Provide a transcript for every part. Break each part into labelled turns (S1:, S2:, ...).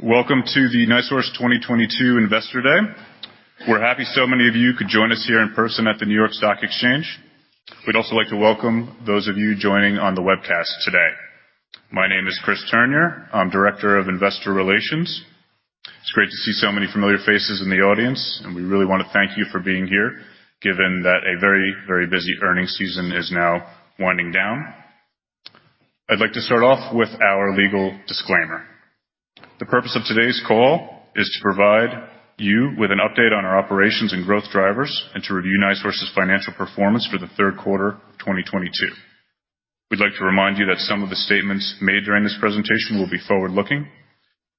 S1: Welcome to the NiSource 2022 Investor Day. We're happy so many of you could join us here in person at the New York Stock Exchange. We'd also like to welcome those of you joining on the webcast today. My name is Christopher Turnure. I'm Director of Investor Relations. It's great to see so many familiar faces in the audience, and we really wanna thank you for being here, given that a very, very busy earnings season is now winding down. I'd like to start off with our legal disclaimer. The purpose of today's call is to provide you with an update on our operations and growth drivers and to review NiSource's financial performance for the third quarter of 2022. We'd like to remind you that some of the statements made during this presentation will be forward-looking.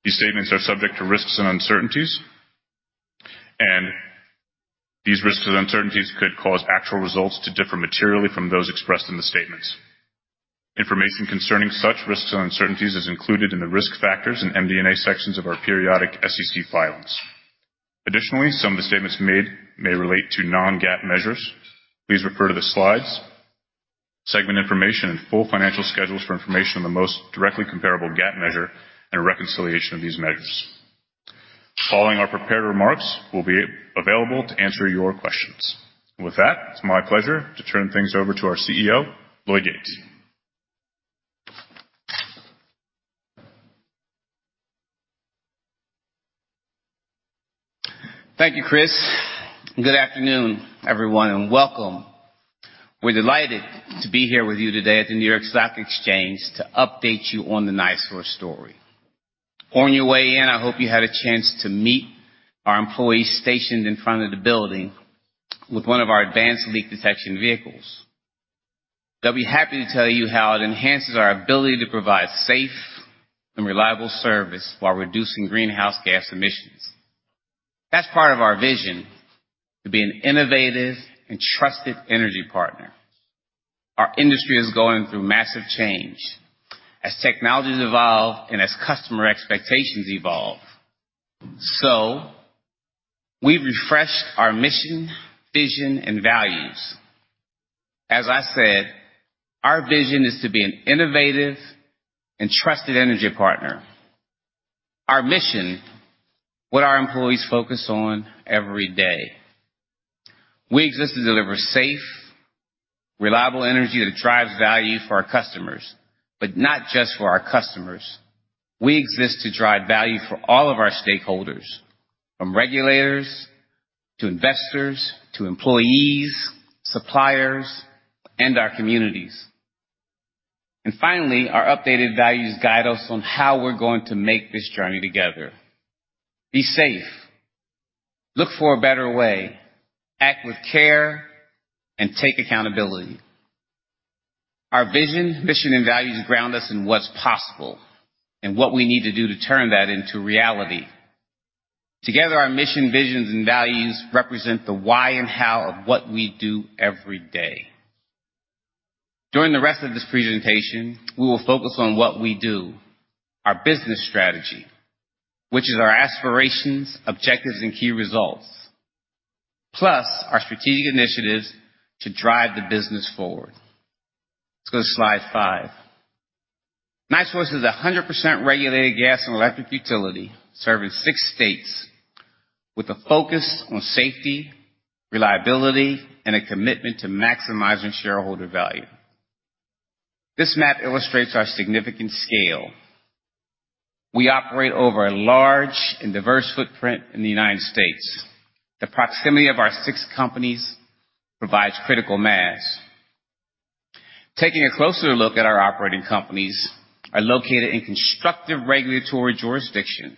S1: These statements are subject to risks and uncertainties, and these risks and uncertainties could cause actual results to differ materially from those expressed in the statements. Information concerning such risks and uncertainties is included in the Risk Factors and MD&A sections of our periodic SEC filings. Additionally, some of the statements made may relate to non-GAAP measures. Please refer to the slides, segment information, and full financial schedules for information on the most directly comparable GAAP measure and a reconciliation of these measures. Following our prepared remarks, we'll be available to answer your questions. With that, it's my pleasure to turn things over to our CEO, Lloyd Yates.
S2: Thank you, Chris. Good afternoon, everyone, and welcome. We're delighted to be here with you today at the New York Stock Exchange to update you on the NiSource story. On your way in, I hope you had a chance to meet our employees stationed in front of the building with one of our advanced leak detection vehicles. They'll be happy to tell you how it enhances our ability to provide safe and reliable service while reducing greenhouse gas emissions. That's part of our vision, to be an innovative and trusted energy partner. Our industry is going through massive change as technologies evolve and as customer expectations evolve. We've refreshed our mission, vision, and values. As I said, our vision is to be an innovative and trusted energy partner. Our mission, what our employees focus on every day. We exist to deliver safe, reliable energy that drives value for our customers, but not just for our customers. We exist to drive value for all of our stakeholders, from regulators to investors, to employees, suppliers, and our communities. Finally, our updated values guide us on how we're going to make this journey together. Be safe, look for a better way, act with care, and take accountability. Our vision, mission, and values ground us in what's possible and what we need to do to turn that into reality. Together, our mission, visions, and values represent the why and how of what we do every day. During the rest of this presentation, we will focus on what we do, our business strategy, which is our aspirations, objectives, and key results, plus our strategic initiatives to drive the business forward. Let's go to slide five. NiSource is 100% regulated gas and electric utility serving six states with a focus on safety, reliability, and a commitment to maximizing shareholder value. This map illustrates our significant scale. We operate over a large and diverse footprint in the United States. The proximity of our six companies provides critical mass. Taking a closer look at our operating companies are located in constructive regulatory jurisdictions.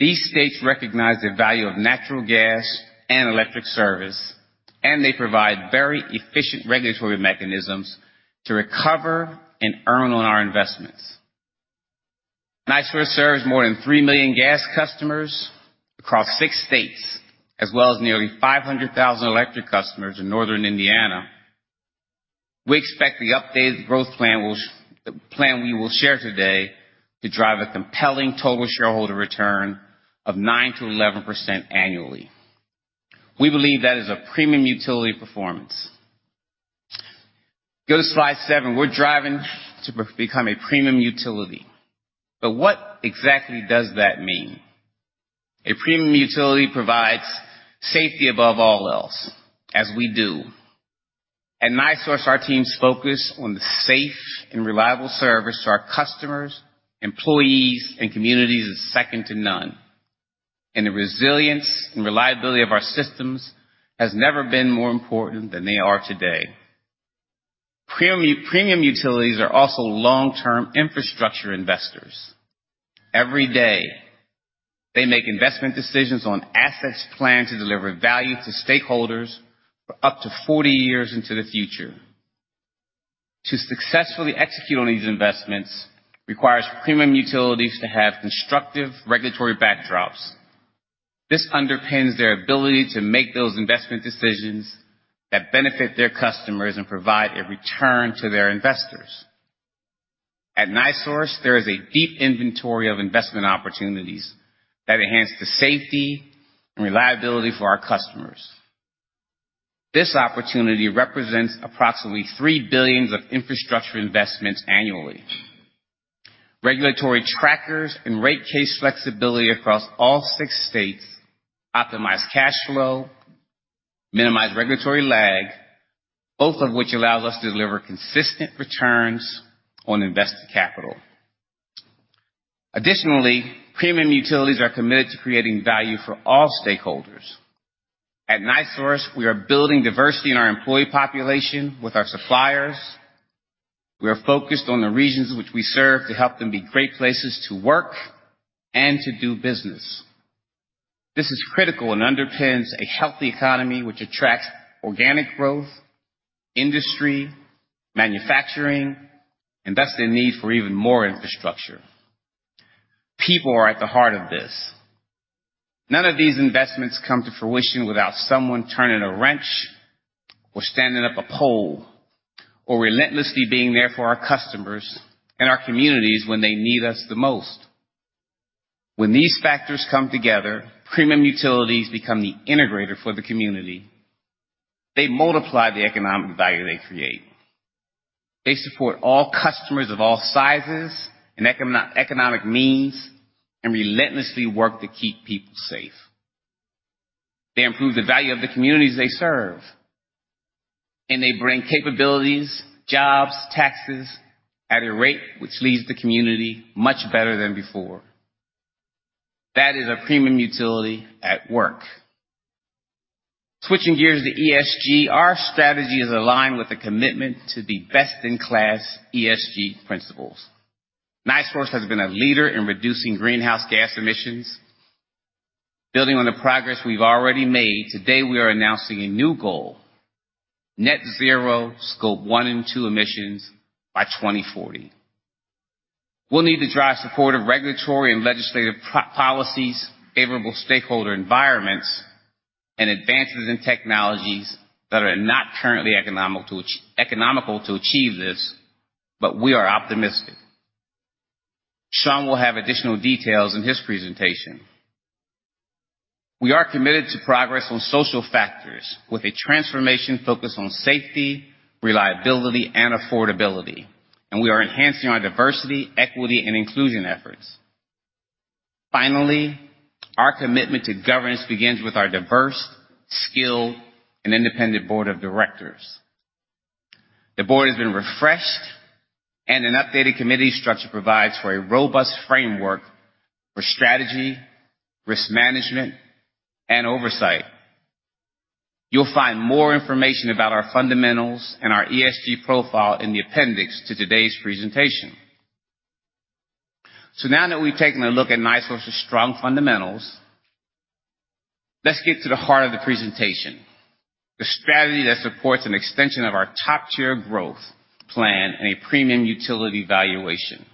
S2: These states recognize the value of natural gas and electric service, and they provide very efficient regulatory mechanisms to recover and earn on our investments. NiSource serves more than 3 million gas customers across six states, as well as nearly 500,000 electric customers in Northern Indiana. We expect the updated growth plan we will share today to drive a compelling total shareholder return of 9%-11% annually. We believe that is a premium utility performance. Go to slide seven. We're driving to become a premium utility. What exactly does that mean? A premium utility provides safety above all else, as we do. At NiSource, our team's focus on the safe and reliable service to our customers, employees, and communities is second to none, and the resilience and reliability of our systems has never been more important than they are today. Premium utilities are also long-term infrastructure investors. Every day, they make investment decisions on assets planned to deliver value to stakeholders for up to 40 years into the future. To successfully execute on these investments requires premium utilities to have constructive regulatory backdrops. This underpins their ability to make those investment decisions that benefit their customers and provide a return to their investors. At NiSource, there is a deep inventory of investment opportunities that enhance the safety and reliability for our customers. This opportunity represents approximately $3 billion of infrastructure investments annually. Regulatory trackers and rate case flexibility across all six states optimize cash flow, minimize regulatory lag, both of which allows us to deliver consistent returns on invested capital. Additionally, premium utilities are committed to creating value for all stakeholders. At NiSource, we are building diversity in our employee population with our suppliers. We are focused on the regions which we serve to help them be great places to work and to do business. This is critical and underpins a healthy economy which attracts organic growth, industry, manufacturing, and thus the need for even more infrastructure. People are at the heart of this. None of these investments come to fruition without someone turning a wrench or standing up a pole or relentlessly being there for our customers and our communities when they need us the most. When these factors come together, premium utilities become the integrator for the community. They multiply the economic value they create. They support all customers of all sizes and economic means and relentlessly work to keep people safe. They improve the value of the communities they serve, and they bring capabilities, jobs, taxes at a rate which leaves the community much better than before. That is a premium utility at work. Switching gears to ESG, our strategy is aligned with a commitment to the best-in-class ESG principles. NiSource has been a leader in reducing greenhouse gas emissions. Building on the progress we've already made, today we are announcing a new goal, net0 scope 1 and 2 emissions by 2040. We'll need the broad support of regulatory and legislative policies, favorable stakeholder environments, and advances in technologies that are not currently economical to achieve this, but we are optimistic. Shawn will have additional details in his presentation. We are committed to progress on social factors with a transformation focused on safety, reliability, and affordability, and we are enhancing our diversity, equity, and inclusion efforts. Finally, our commitment to governance begins with our diverse, skilled, and independent board of directors. The board has been refreshed, and an updated committee structure provides for a robust framework for strategy, risk management, and oversight. You'll find more information about our fundamentals and our ESG profile in the appendix to today's presentation. Now that we've taken a look at NiSource's strong fundamentals, let's get to the heart of the presentation, the strategy that supports an extension of our top-tier growth plan and a premium utility valuation.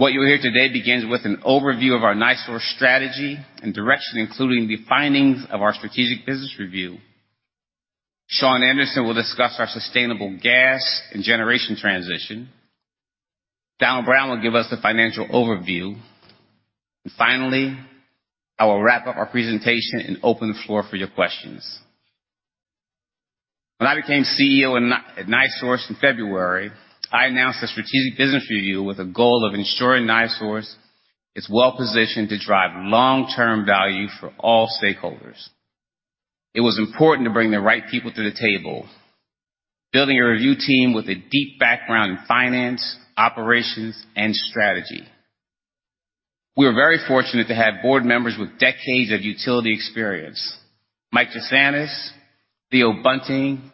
S2: What you'll hear today begins with an overview of our NiSource strategy and direction, including the findings of our strategic business review. Shawn Anderson will discuss our sustainable gas and generation transition. Donald Brown will give us the financial overview. Finally, I will wrap up our presentation and open the floor for your questions. When I became CEO at NiSource in February, I announced a strategic business review with a goal of ensuring NiSource is well-positioned to drive long-term value for all stakeholders. It was important to bring the right people to the table, building a review team with a deep background in finance, operations, and strategy. We are very fortunate to have board members with decades of utility experience, Mike Jesanis, Theo Bunting,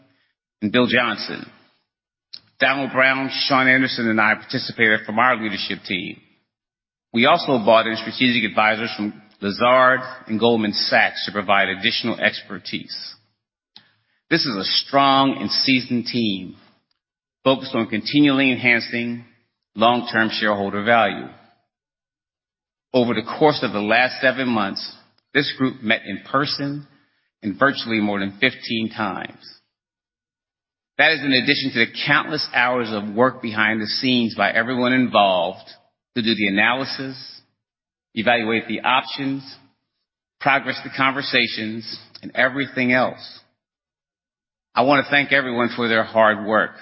S2: and Bill Johnson. Donald Brown, Shawn Anderson, and I participated from our leadership team. We also brought in strategic advisors from Lazard and Goldman Sachs to provide additional expertise. This is a strong and seasoned team focused on continually enhancing long-term shareholder value. Over the course of the last seven months, this group met in person and virtually more than 15x. That is in addition to the countless hours of work behind the scenes by everyone involved to do the analysis, evaluate the options, progress the conversations, and everything else. I wanna thank everyone for their hard work.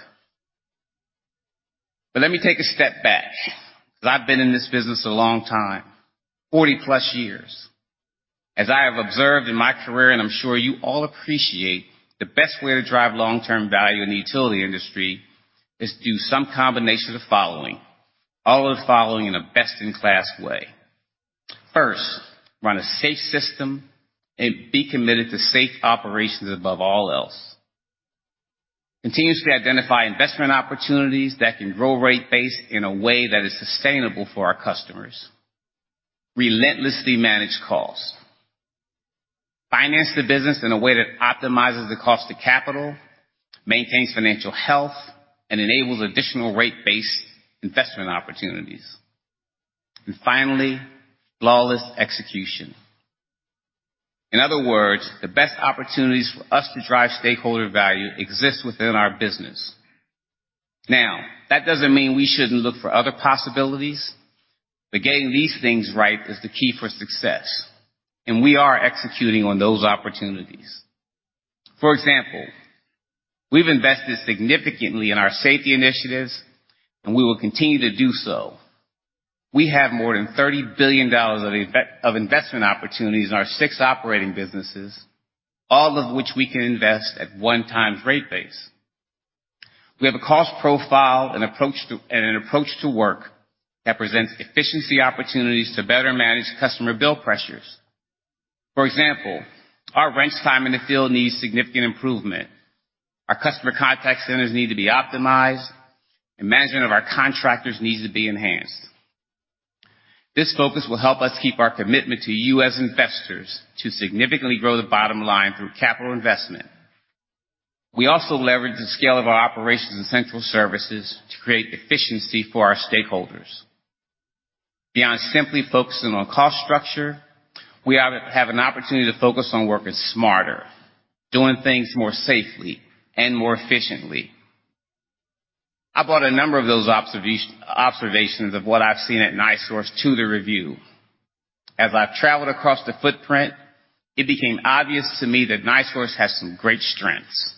S2: Let me take a step back, I've been in this business a long time, 40+ years. As I have observed in my career, and I'm sure you all appreciate, the best way to drive long-term value in the utility industry is through some combination of the following, all of the following in a best-in-class way. First, run a safe system and be committed to safe operations above all else. Continuously identify investment opportunities that can grow rate base in a way that is sustainable for our customers. Relentlessly manage costs. Finance the business in a way that optimizes the cost of capital, maintains financial health, and enables additional rate base investment opportunities. Finally, flawless execution. In other words, the best opportunities for us to drive stakeholder value exist within our business. Now, that doesn't mean we shouldn't look for other possibilities, but getting these things right is the key for success, and we are executing on those opportunities. For example, we've invested significantly in our safety initiatives, and we will continue to do so. We have more than $30 billion of investment opportunities in our six operating businesses, all of which we can invest at 1x rate base. We have a cost profile and an approach to work that presents efficiency opportunities to better manage customer bill pressures. For example, our wrench time in the field needs significant improvement. Our customer contact centers need to be optimized, and management of our contractors needs to be enhanced. This focus will help us keep our commitment to you as investors to significantly grow the bottom line through capital investment. We also leverage the scale of our operations and central services to create efficiency for our stakeholders. Beyond simply focusing on cost structure, we have an opportunity to focus on working smarter, doing things more safely and more efficiently. I brought a number of those observations of what I've seen at NiSource to the review. As I've traveled across the footprint, it became obvious to me that NiSource has some great strengths.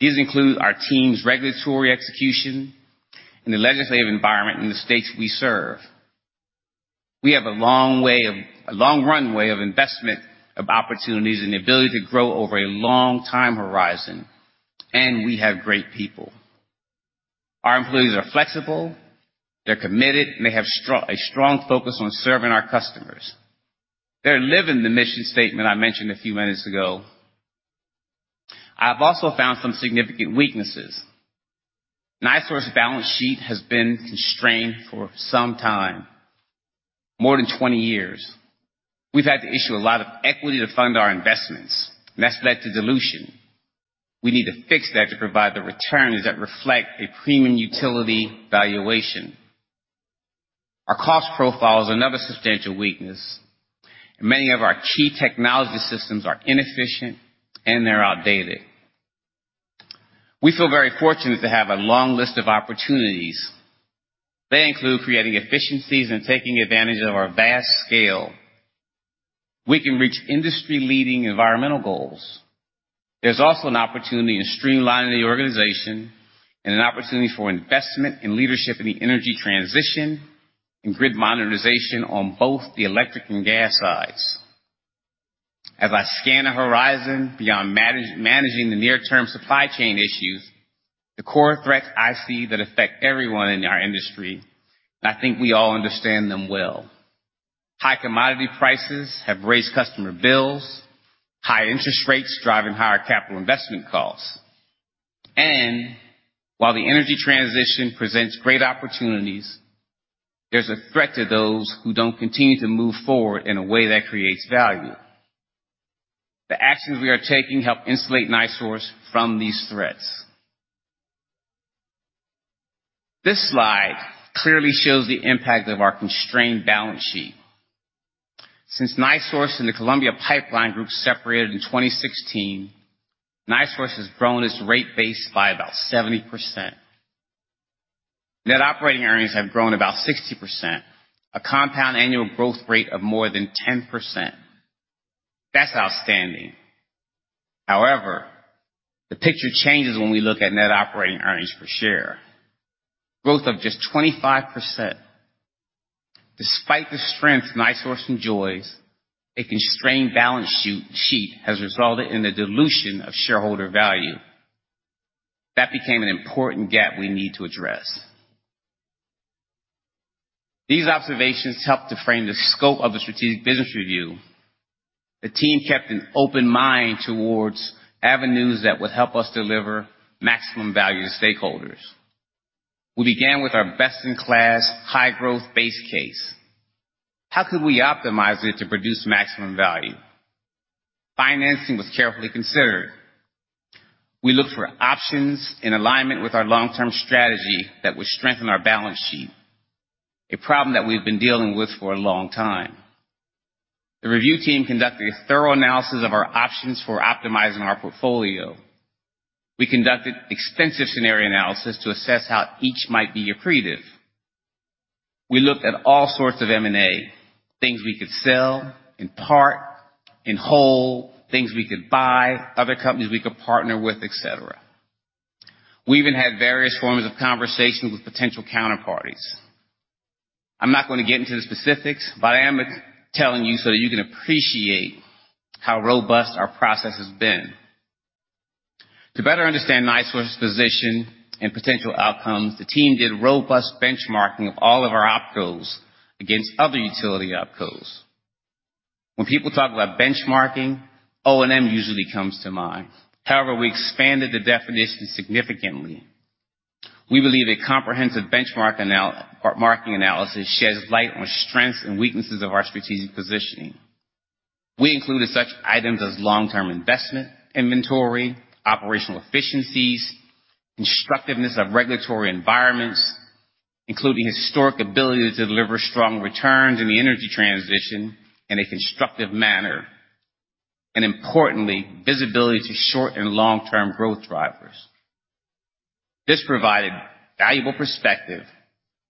S2: These include our team's regulatory execution and the legislative environment in the states we serve. We have a long runway of investment opportunities and the ability to grow over a long time horizon, and we have great people. Our employees are flexible, they're committed, and they have a strong focus on serving our customers. They're living the mission statement I mentioned a few minutes ago. I've also found some significant weaknesses. NiSource balance sheet has been constrained for some time, more than 20 years. We've had to issue a lot of equity to fund our investments. That's led to dilution. We need to fix that to provide the returns that reflect a premium utility valuation. Our cost profile is another substantial weakness, and many of our key technology systems are inefficient, and they're outdated. We feel very fortunate to have a long list of opportunities. They include creating efficiencies and taking advantage of our vast scale. We can reach industry-leading environmental goals. There's also an opportunity to streamline the organization and an opportunity for investment in leadership in the energy transition and grid modernization on both the electric and gas sides. As I scan the horizon beyond managing the near-term supply chain issues, the core threats I see that affect everyone in our industry, and I think we all understand them well. High commodity prices have raised customer bills. High interest rates driving higher capital investment costs. And while the energy transition presents great opportunities, there's a threat to those who don't continue to move forward in a way that creates value. The actions we are taking help insulate NiSource from these threats. This slide clearly shows the impact of our constrained balance sheet. Since NiSource and the Columbia Pipeline Group separated in 2016, NiSource has grown its rate base by about 70%. Net operating earnings have grown about 60%, a compound annual growth rate of more than 10%. That's outstanding. However, the picture changes when we look at net operating earnings per share. Growth of just 25%. Despite the strength NiSource enjoys, a constrained balance sheet has resulted in the dilution of shareholder value. That became an important gap we need to address. These observations helped to frame the scope of the strategic business review. The team kept an open mind towards avenues that would help us deliver maximum value to stakeholders. We began with our best-in-class high-growth base case. How could we optimize it to produce maximum value? Financing was carefully considered. We looked for options in alignment with our long-term strategy that would strengthen our balance sheet, a problem that we've been dealing with for a long time. The review team conducted a thorough analysis of our options for optimizing our portfolio. We conducted extensive scenario analysis to assess how each might be accretive. We looked at all sorts of M&A, things we could sell, in part, in whole, things we could buy, other companies we could partner with, et cetera. We even had various forms of conversations with potential counterparties. I'm not going to get into the specifics, but I am telling you so that you can appreciate how robust our process has been. To better understand NiSource's position and potential outcomes, the team did robust benchmarking of all of our opcos against other utility opcos. When people talk about benchmarking, O&M usually comes to mind. However, we expanded the definition significantly. We believe a comprehensive benchmarking analysis sheds light on strengths and weaknesses of our strategic positioning. We included such items as long-term investment, inventory, operational efficiencies, constructiveness of regulatory environments, including historic ability to deliver strong returns in the energy transition in a constructive manner. Importantly, visibility to short and long-term growth drivers. This provided valuable perspective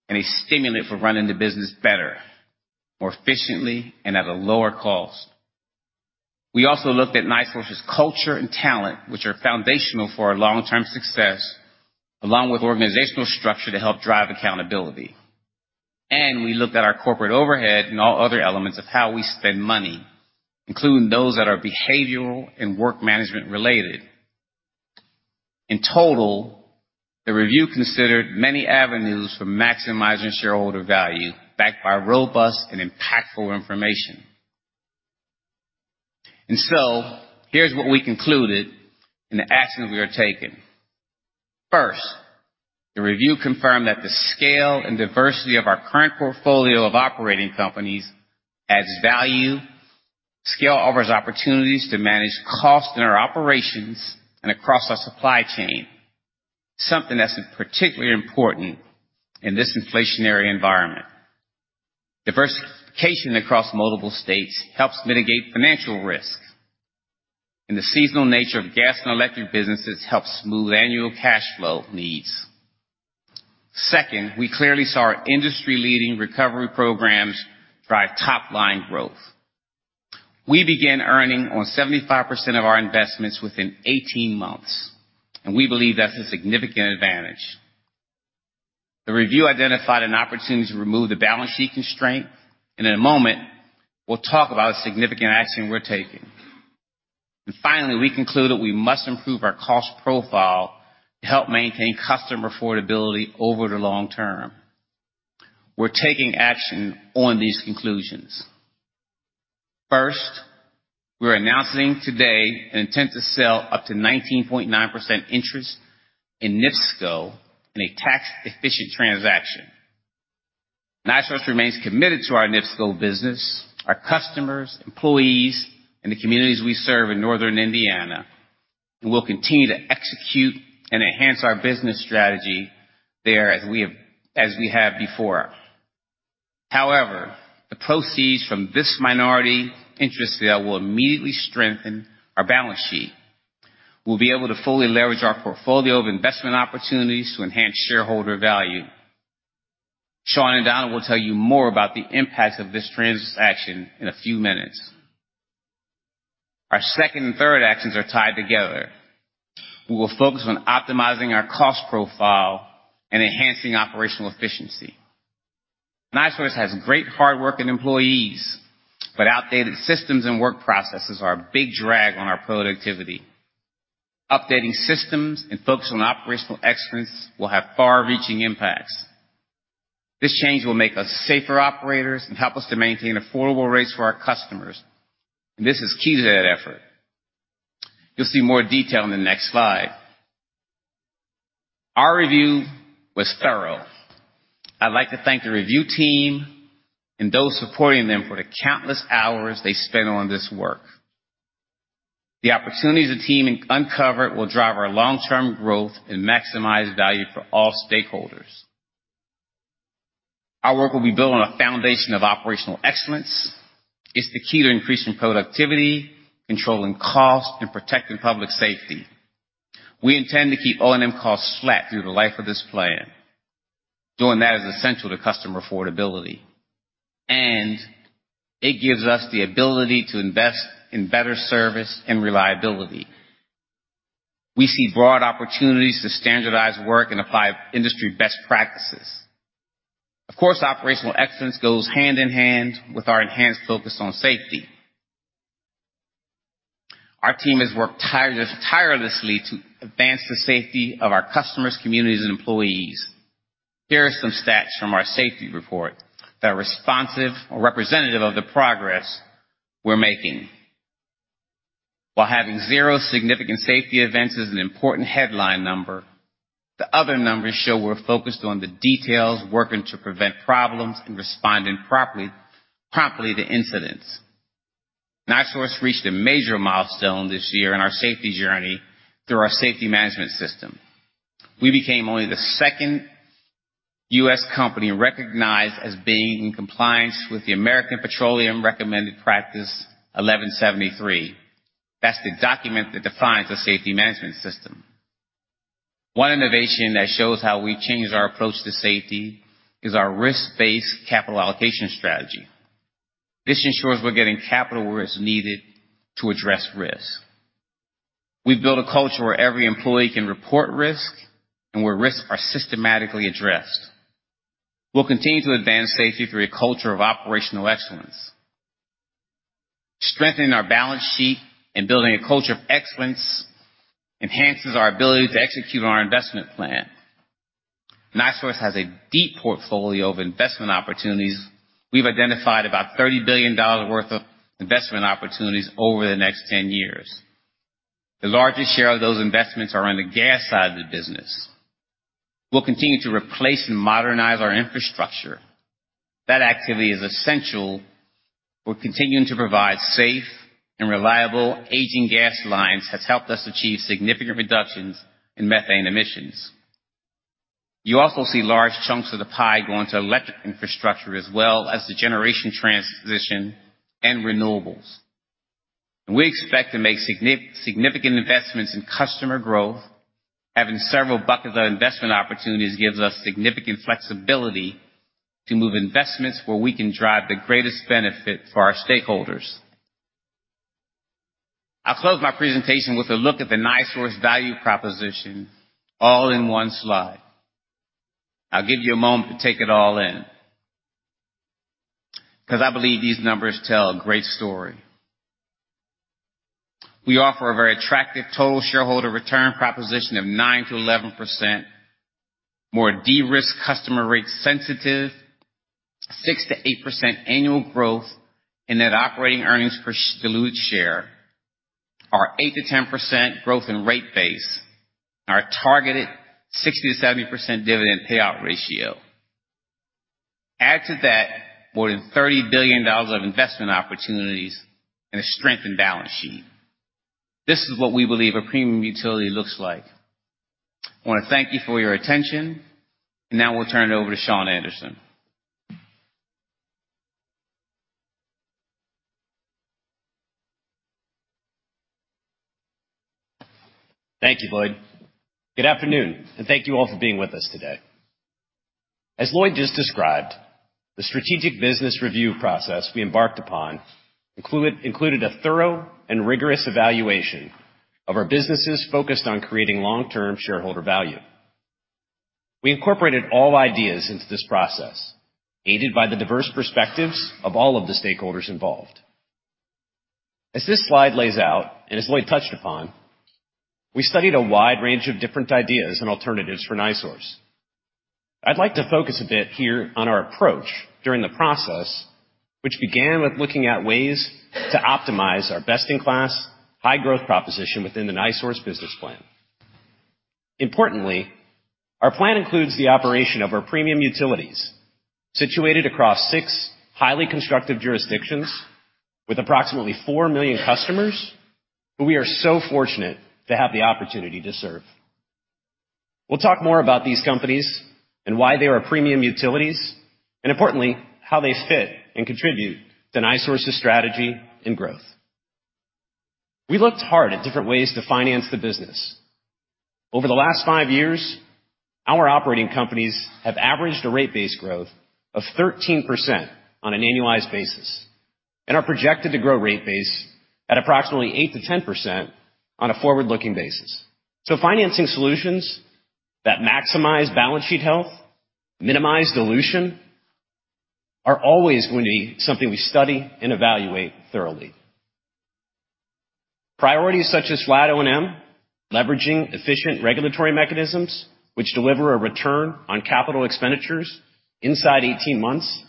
S2: and a stimulus for running the business better, more efficiently, and at a lower cost. We also looked at NiSource's culture and talent, which are foundational for our long-term success, along with organizational structure to help drive accountability. We looked at our corporate overhead and all other elements of how we spend money, including those that are behavioral and work management related. In total, the review considered many avenues for maximizing shareholder value, backed by robust and impactful information. Here's what we concluded and the action we are taking. First, the review confirmed that the scale and diversity of our current portfolio of operating companies adds value. Scale offers opportunities to manage costs in our operations and across our supply chain, something that's particularly important in this inflationary environment. Diversification across multiple states helps mitigate financial risks, and the seasonal nature of gas and electric businesses helps smooth annual cash flow needs. Second, we clearly saw our industry-leading recovery programs drive top-line growth. We began earning on 75% of our investments within 18 months, and we believe that's a significant advantage. The review identified an opportunity to remove the balance sheet constraint, and in a moment, we'll talk about a significant action we're taking. Finally, we concluded we must improve our cost profile to help maintain customer affordability over the long term. We're taking action on these conclusions. First, we're announcing today an intent to sell up to 19.9% interest in NIPSCO in a tax-efficient transaction. NiSource remains committed to our NIPSCO business, our customers, employees, and the communities we serve in northern Indiana, and we'll continue to execute and enhance our business strategy there as we have before. However, the proceeds from this minority interest sale will immediately strengthen our balance sheet. We'll be able to fully leverage our portfolio of investment opportunities to enhance shareholder value. Shawn and Donald will tell you more about the impacts of this transaction in a few minutes. Our second and third actions are tied together. We will focus on optimizing our cost profile and enhancing operational efficiency. NiSource has great hardworking employees, but outdated systems and work processes are a big drag on our productivity. Updating systems and focusing on operational excellence will have far-reaching impacts. This change will make us safer operators and help us to maintain affordable rates for our customers. This is key to that effort. You'll see more detail in the next slide. Our review was thorough. I'd like to thank the review team and those supporting them for the countless hours they spent on this work. The opportunities the team uncovered will drive our long-term growth and maximize value for all stakeholders. Our work will be built on a foundation of operational excellence. It's the key to increasing productivity, controlling costs, and protecting public safety. We intend to keep O&M costs flat through the life of this plan. Doing that is essential to customer affordability, and it gives us the ability to invest in better service and reliability. We see broad opportunities to standardize work and apply industry best practices. Of course, operational excellence goes hand in hand with our enhanced focus on safety. Our team has worked tirelessly to advance the safety of our customers, communities, and employees. Here are some stats from our safety report that are responsive or representative of the progress we're making. While having 0 significant safety events is an important headline number, the other numbers show we're focused on the details, working to prevent problems, and responding properly, promptly to incidents. NiSource reached a major milestone this year in our safety journey through our safety management system. We became only the second U.S. company recognized as being in compliance with the American Petroleum Institute Recommended Practice 1173. That's the document that defines a safety management system. One innovation that shows how we changed our approach to safety is our risk-based capital allocation strategy. This ensures we're getting capital where it's needed to address risks. We've built a culture where every employee can report risks and where risks are systematically addressed. We'll continue to advance safety through a culture of operational excellence. Strengthening our balance sheet and building a culture of excellence enhances our ability to execute on our investment plan. NiSource has a deep portfolio of investment opportunities. We've identified about $30 billion worth of investment opportunities over the next 10 years. The largest share of those investments are on the gas side of the business. We'll continue to replace and modernize our infrastructure. That activity is essential. We're continuing to provide safe and reliable aging gas lines that's helped us achieve significant reductions in methane emissions. You also see large chunks of the pie going to electric infrastructure as well as the generation transition and renewables. We expect to make significant investments in customer growth. Having several buckets of investment opportunities gives us significant flexibility to move investments where we can drive the greatest benefit for our stakeholders. I'll close my presentation with a look at the NiSource value proposition all in one slide. I'll give you a moment to take it all in cause I believe these numbers tell a great story. We offer a very attractive total shareholder return proposition of 9%-11%, more de-risked customer rate sensitive, 6%-8% annual growth in net operating earnings per diluted share, our 8%-10% growth in rate base, and our targeted 60%-70% dividend payout ratio. Add to that more than $30 billion of investment opportunities and a strengthened balance sheet. This is what we believe a premium utility looks like. I wanna thank you for your attention, and now we'll turn it over to Shawn Anderson.
S3: Thank you, Lloyd. Good afternoon, and thank you all for being with us today. As Lloyd just described, the strategic business review process we embarked upon included a thorough and rigorous evaluation of our businesses focused on creating long-term shareholder value. We incorporated all ideas into this process, aided by the diverse perspectives of all of the stakeholders involved. As this slide lays out, and as Lloyd touched upon, we studied a wide range of different ideas and alternatives for NiSource. I'd like to focus a bit here on our approach during the process, which began with looking at ways to optimize our best-in-class, high-growth proposition within the NiSource business plan. Importantly, our plan includes the operation of our premium utilities situated across 6 highly constructive jurisdictions with approximately four million customers who we are so fortunate to have the opportunity to serve. We'll talk more about these companies and why they are premium utilities, and importantly, how they fit and contribute to NiSource's strategy and growth. We looked hard at different ways to finance the business. Over the last five years, our operating companies have averaged a rate base growth of 13% on an annualized basis and are projected to grow rate base at approximately 8%-10% on a forward-looking basis. Financing solutions that maximize balance sheet health, minimize dilution, are always going to be something we study and evaluate thoroughly. Priorities such as flat O&M, leveraging efficient regulatory mechanisms, which deliver a return on capital expenditures inside 18 months,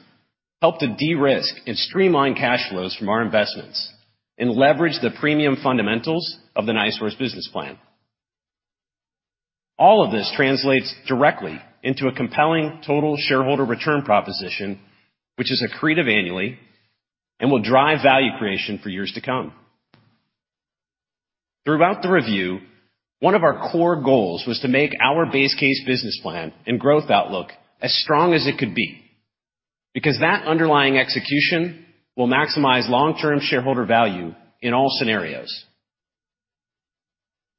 S3: help to de-risk and streamline cash flows from our investments and leverage the premium fundamentals of the NiSource business plan. All of this translates directly into a compelling total shareholder return proposition, which is accretive annually and will drive value creation for years to come. Throughout the review, one of our core goals was to make our base case business plan and growth outlook as strong as it could be because that underlying execution will maximize long-term shareholder value in all scenarios.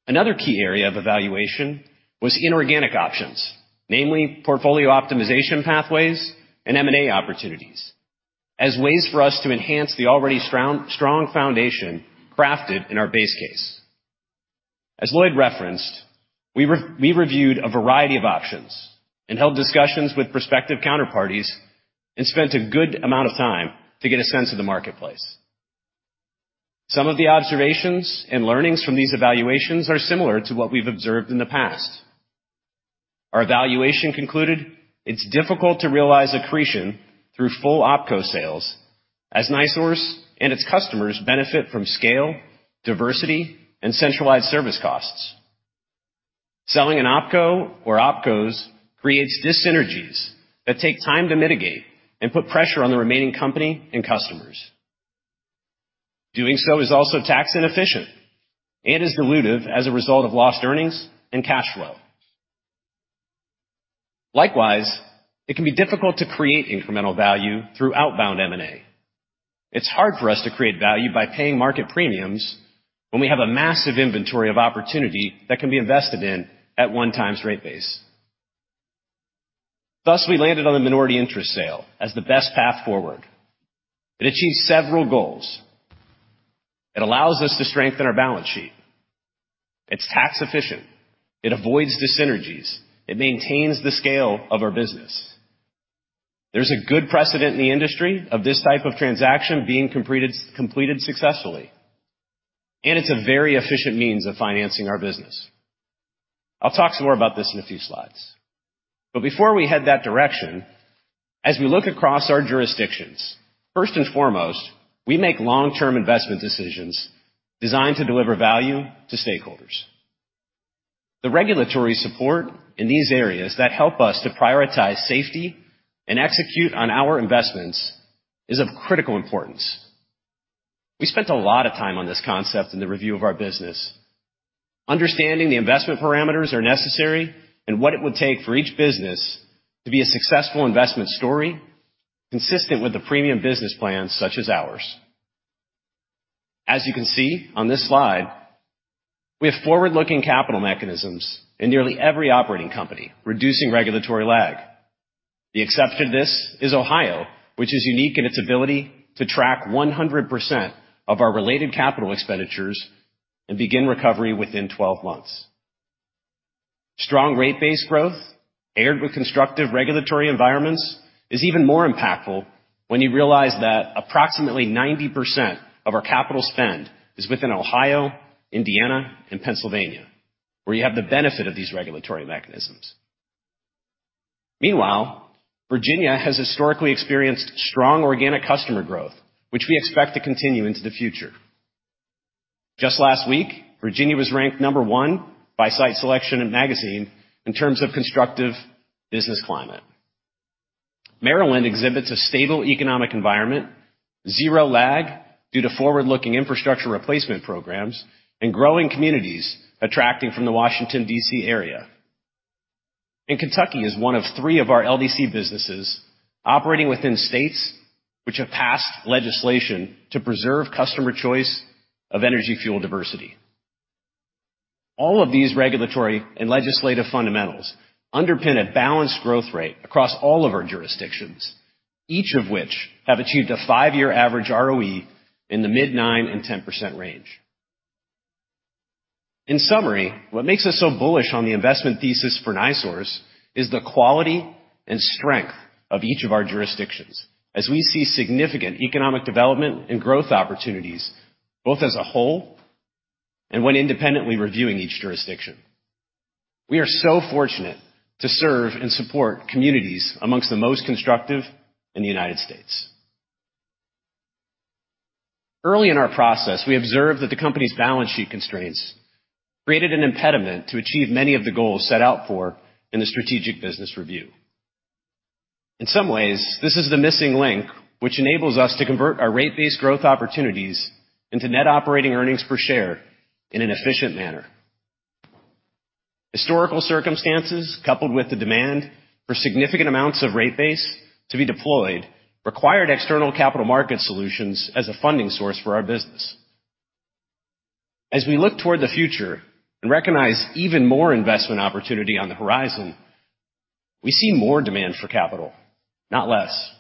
S3: Another key area of evaluation was inorganic options, namely portfolio optimization pathways and M&A opportunities, as ways for us to enhance the already strong foundation crafted in our base case. As Lloyd Yates referenced, we reviewed a variety of options and held discussions with prospective counterparties and spent a good amount of time to get a sense of the marketplace. Some of the observations and learnings from these evaluations are similar to what we've observed in the past. Our evaluation concluded it's difficult to realize accretion through full opco sales as NiSource and its customers benefit from scale, diversity, and centralized service costs. Selling an opco or opcos creates dyssynergies that take time to mitigate and put pressure on the remaining company and customers. Doing so is also tax inefficient and is dilutive as a result of lost earnings and cash flow. Likewise, it can be difficult to create incremental value through outbound M&A. It's hard for us to create value by paying market premiums when we have a massive inventory of opportunity that can be invested in at 1x rate base. Thus, we landed on the minority interest sale as the best path forward. It achieves several goals. It allows us to strengthen our balance sheet. It's tax efficient. It avoids dyssynergies. It maintains the scale of our business. There's a good precedent in the industry of this type of transaction being completed successfully, and it's a very efficient means of financing our business. I'll talk some more about this in a few slides. Before we head that direction, as we look across our jurisdictions, first and foremost, we make long-term investment decisions designed to deliver value to stakeholders. The regulatory support in these areas that help us to prioritize safety and execute on our investments is of critical importance. We spent a lot of time on this concept in the review of our business. Understanding the investment parameters are necessary and what it would take for each business to be a successful investment story consistent with the premium business plan such as ours. As you can see on this slide, we have forward-looking capital mechanisms in nearly every operating company, reducing regulatory lag. The exception to this is Ohio, which is unique in its ability to track 100% of our related capital expenditures and begin recovery within 12 months. Strong rate base growth paired with constructive regulatory environments is even more impactful when you realize that approximately 90% of our capital spend is within Ohio, Indiana, and Pennsylvania, where you have the benefit of these regulatory mechanisms. Meanwhile, Virginia has historically experienced strong organic customer growth, which we expect to continue into the future. Just last week, Virginia was ranked number one by Site Selection Magazine in terms of constructive business climate. Maryland exhibits a stable economic environment, zero lag due to forward-looking infrastructure replacement programs, and growing communities attracting from the Washington, D.C. area. Kentucky is one of three of our LDC businesses operating within states which have passed legislation to preserve customer choice of energy fuel diversity. All of these regulatory and legislative fundamentals underpin a balanced growth rate across all of our jurisdictions, each of which have achieved a five-year average ROE in the mid 9%-10% range. In summary, what makes us so bullish on the investment thesis for NiSource is the quality and strength of each of our jurisdictions as we see significant economic development and growth opportunities, both as a whole and when independently reviewing each jurisdiction. We are so fortunate to serve and support communities among the most constructive in the United States. Early in our process, we observed that the company's balance sheet constraints created an impediment to achieve many of the goals set out for in the strategic business review. In some ways, this is the missing link which enables us to convert our rate-based growth opportunities into net operating earnings per share in an efficient manner. Historical circumstances, coupled with the demand for significant amounts of rate base to be deployed, required external capital market solutions as a funding source for our business. As we look toward the future and recognize even more investment opportunity on the horizon, we see more demand for capital, not less.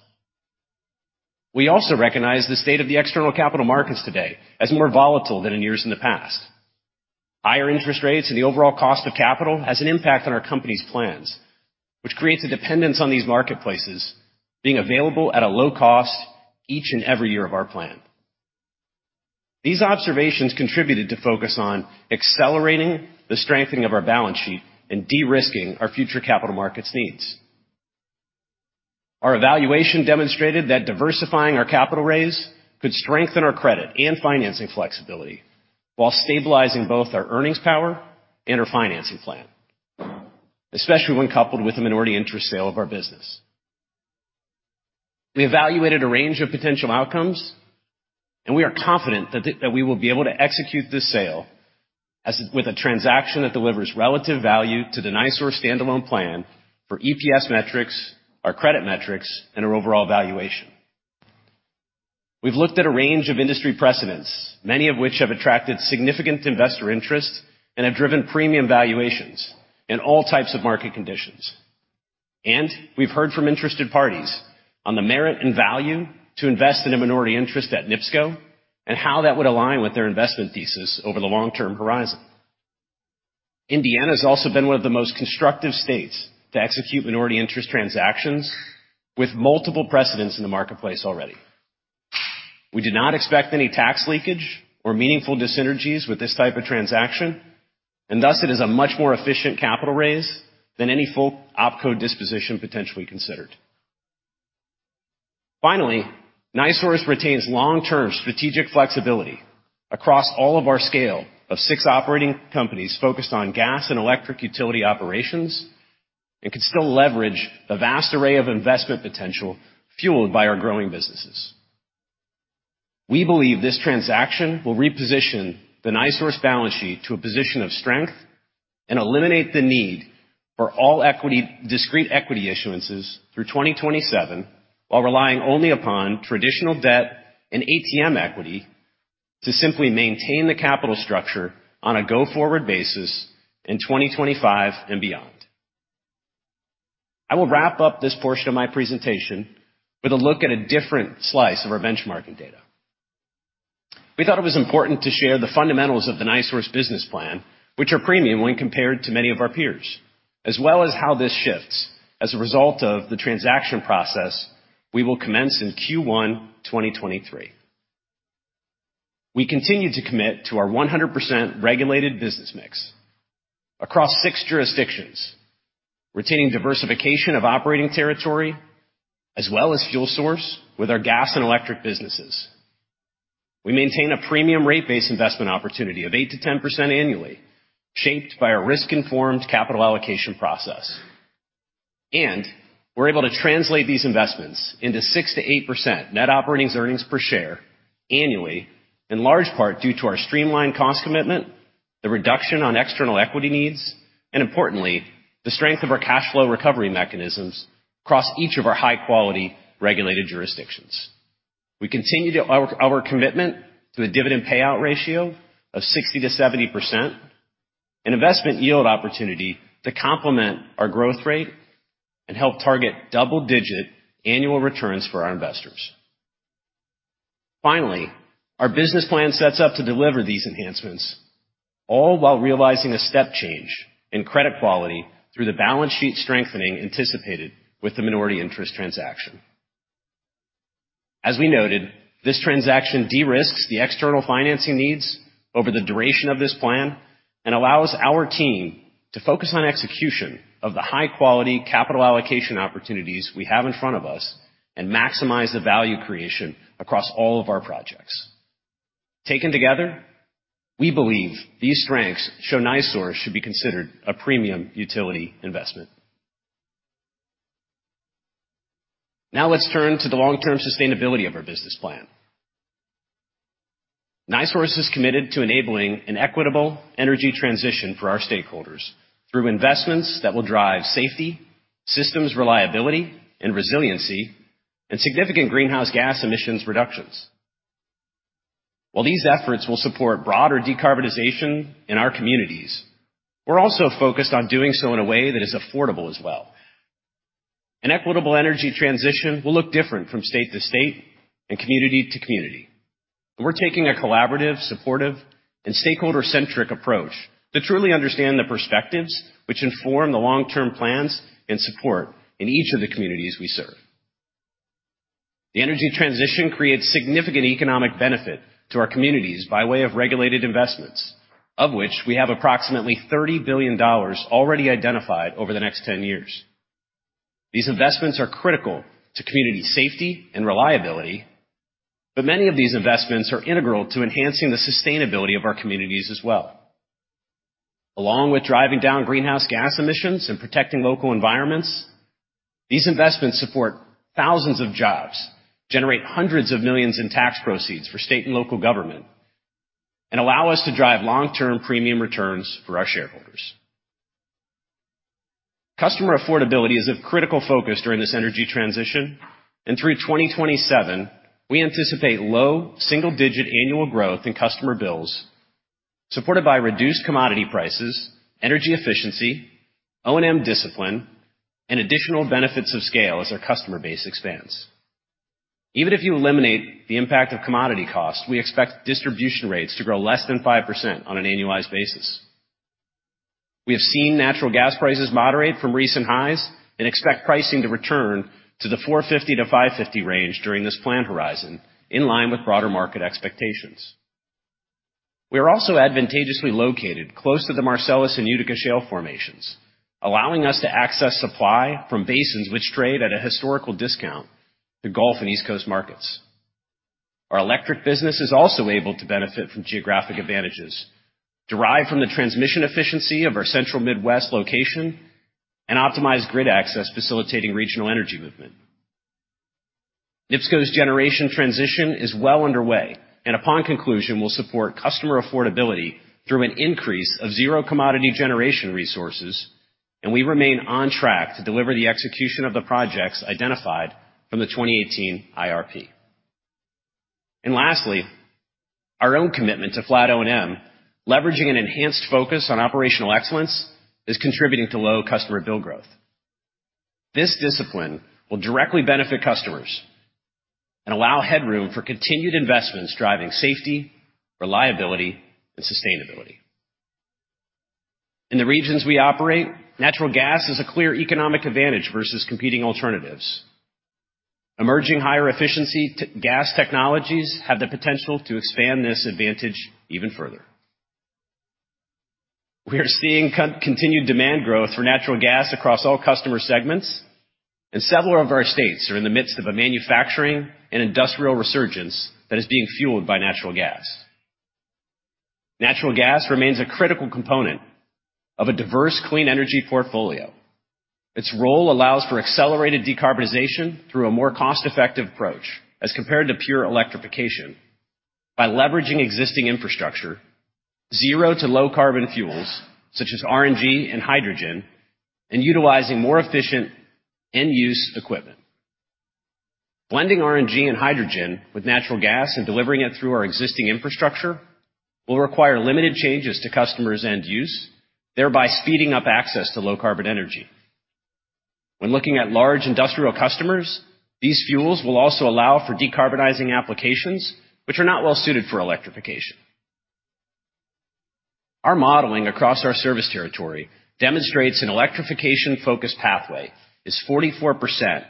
S3: We also recognize the state of the external capital markets today as more volatile than in years in the past. Higher interest rates and the overall cost of capital has an impact on our company's plans, which creates a dependence on these marketplaces being available at a low cost each and every year of our plan. These observations contributed to focus on accelerating the strengthening of our balance sheet and de-risking our future capital markets needs. Our evaluation demonstrated that diversifying our capital raise could strengthen our credit and financing flexibility while stabilizing both our earnings power and our financing plan, especially when coupled with a minority interest sale of our business. We evaluated a range of potential outcomes, and we are confident that we will be able to execute this sale with a transaction that delivers relative value to the NiSource standalone plan for EPS metrics, our credit metrics, and our overall valuation. We've looked at a range of industry precedents, many of which have attracted significant investor interest and have driven premium valuations in all types of market conditions. We've heard from interested parties on the merit and value to invest in a minority interest at NIPSCO and how that would align with their investment thesis over the long-term horizon. Indiana has also been one of the most constructive states to execute minority interest transactions with multiple precedents in the marketplace already. We do not expect any tax leakage or meaningful dyssynergies with this type of transaction, and thus it is a much more efficient capital raise than any full opco disposition potentially considered. Finally, NiSource retains long-term strategic flexibility across all of our scale of six operating companies focused on gas and electric utility operations and can still leverage the vast array of investment potential fueled by our growing businesses. We believe this transaction will reposition the NiSource balance sheet to a position of strength and eliminate the need for all equity, discrete equity issuances through 2027 while relying only upon traditional debt and ATM equity to simply maintain the capital structure on a go-forward basis in 2025 and beyond. I will wrap up this portion of my presentation with a look at a different slice of our benchmarking data. We thought it was important to share the fundamentals of the NiSource business plan, which are premium when compared to many of our peers, as well as how this shifts as a result of the transaction process we will commence in Q1 2023. We continue to commit to our 100% regulated business mix across six jurisdictions, retaining diversification of operating territory as well as fuel source with our gas and electric businesses. We maintain a premium rate base investment opportunity of 8%-10% annually, shaped by our risk-informed capital allocation process. We're able to translate these investments into 6%-8% net operating earnings per share annually, in large part due to our streamlined cost commitment, the reduction on external equity needs, and importantly, the strength of our cash flow recovery mechanisms across each of our high-quality regulated jurisdictions. We continue our commitment to the dividend payout ratio of 60%-70%, an investment yield opportunity to complement our growth rate and help target double-digit annual returns for our investors. Finally, our business plan sets up to deliver these enhancements, all while realizing a step change in credit quality through the balance sheet strengthening anticipated with the minority interest transaction. As we noted, this transaction de-risks the external financing needs over the duration of this plan and allows our team to focus on execution of the high-quality capital allocation opportunities we have in front of us and maximize the value creation across all of our projects. Taken together, we believe these strengths show NiSource should be considered a premium utility investment. Now let's turn to the long-term sustainability of our business plan. NiSource is committed to enabling an equitable energy transition for our stakeholders through investments that will drive safety, systems reliability and resiliency, and significant greenhouse gas emissions reductions. While these efforts will support broader decarbonization in our communities, we're also focused on doing so in a way that is affordable as well. An equitable energy transition will look different from state to state and community to community. We're taking a collaborative, supportive, and stakeholder-centric approach to truly understand the perspectives which inform the long-term plans and support in each of the communities we serve. The energy transition creates significant economic benefit to our communities by way of regulated investments, of which we have approximately $30 billion already identified over the next 10 years. These investments are critical to community safety and reliability, but many of these investments are integral to enhancing the sustainability of our communities as well. Along with driving down greenhouse gas emissions and protecting local environments, these investments support thousands of jobs, generate $100s of millions in tax proceeds for state and local government, and allow us to drive long-term premium returns for our shareholders. Customer affordability is of critical focus during this energy transition. Through 2027, we anticipate low single-digit annual growth in customer bills, supported by reduced commodity prices, energy efficiency, O&M discipline, and additional benefits of scale as our customer base expands. Even if you eliminate the impact of commodity costs, we expect distribution rates to grow less than 5% on an annualized basis. We have seen natural gas prices moderate from recent highs and expect pricing to return to the $4.50-$5.50 range during this plan horizon, in line with broader market expectations. We are also advantageously located close to the Marcellus and Utica shale formations, allowing us to access supply from basins which trade at a historical discount to Gulf and East Coast markets. Our electric business is also able to benefit from geographic advantages derived from the transmission efficiency of our central Midwest location and optimize grid access facilitating regional energy movement. NIPSCO's generation transition is well underway, and upon conclusion, will support customer affordability through an increase of zero-commodity generation resources, and we remain on track to deliver the execution of the projects identified from the 2018 IRP. Lastly, our own commitment to flat O&M, leveraging an enhanced focus on operational excellence, is contributing to low customer bill growth. This discipline will directly benefit customers and allow headroom for continued investments driving safety, reliability, and sustainability. In the regions we operate, natural gas is a clear economic advantage versus competing alternatives. Emerging higher-efficiency T-gas technologies have the potential to expand this advantage even further. We are seeing continued demand growth for natural gas across all customer segments, and several of our states are in the midst of a manufacturing and industrial resurgence that is being fueled by natural gas. Natural gas remains a critical component of a diverse clean energy portfolio. Its role allows for accelerated decarbonization through a more cost-effective approach as compared to pure electrification by leveraging existing infrastructure, zero to low carbon fuels such as RNG and hydrogen, and utilizing more efficient end-use equipment. Blending RNG and hydrogen with natural gas and delivering it through our existing infrastructure will require limited changes to customers end use, thereby speeding up access to low-carbon energy. When looking at large industrial customers, these fuels will also allow for decarbonizing applications which are not well suited for electrification. Our modeling across our service territory demonstrates an electrification-focused pathway is 44%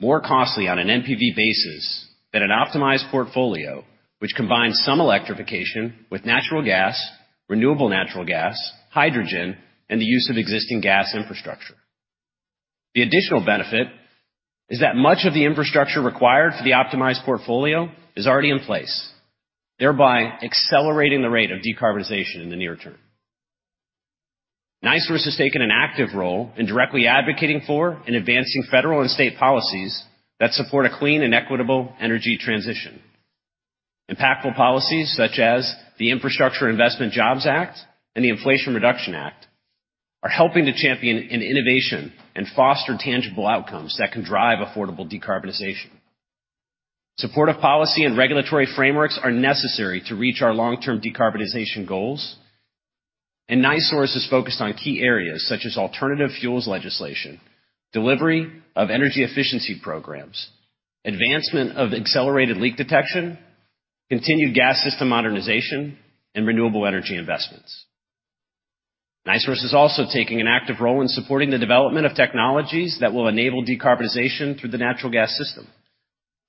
S3: more costly on an NPV basis than an optimized portfolio which combines some electrification with natural gas, renewable natural gas, hydrogen, and the use of existing gas infrastructure. The additional benefit is that much of the infrastructure required for the optimized portfolio is already in place, thereby accelerating the rate of decarbonization in the near term. NiSource has taken an active role in directly advocating for and advancing federal and state policies that support a clean and equitable energy transition. Impactful policies such as the Infrastructure Investment and Jobs Act and the Inflation Reduction Act are helping to champion innovation and foster tangible outcomes that can drive affordable decarbonization. Supportive policy and regulatory frameworks are necessary to reach our long-term decarbonization goals, and NiSource is focused on key areas such as alternative fuels legislation, delivery of energy efficiency programs, advancement of accelerated leak detection, continued gas system modernization, and renewable energy investments. NiSource is also taking an active role in supporting the development of technologies that will enable decarbonization through the natural gas system.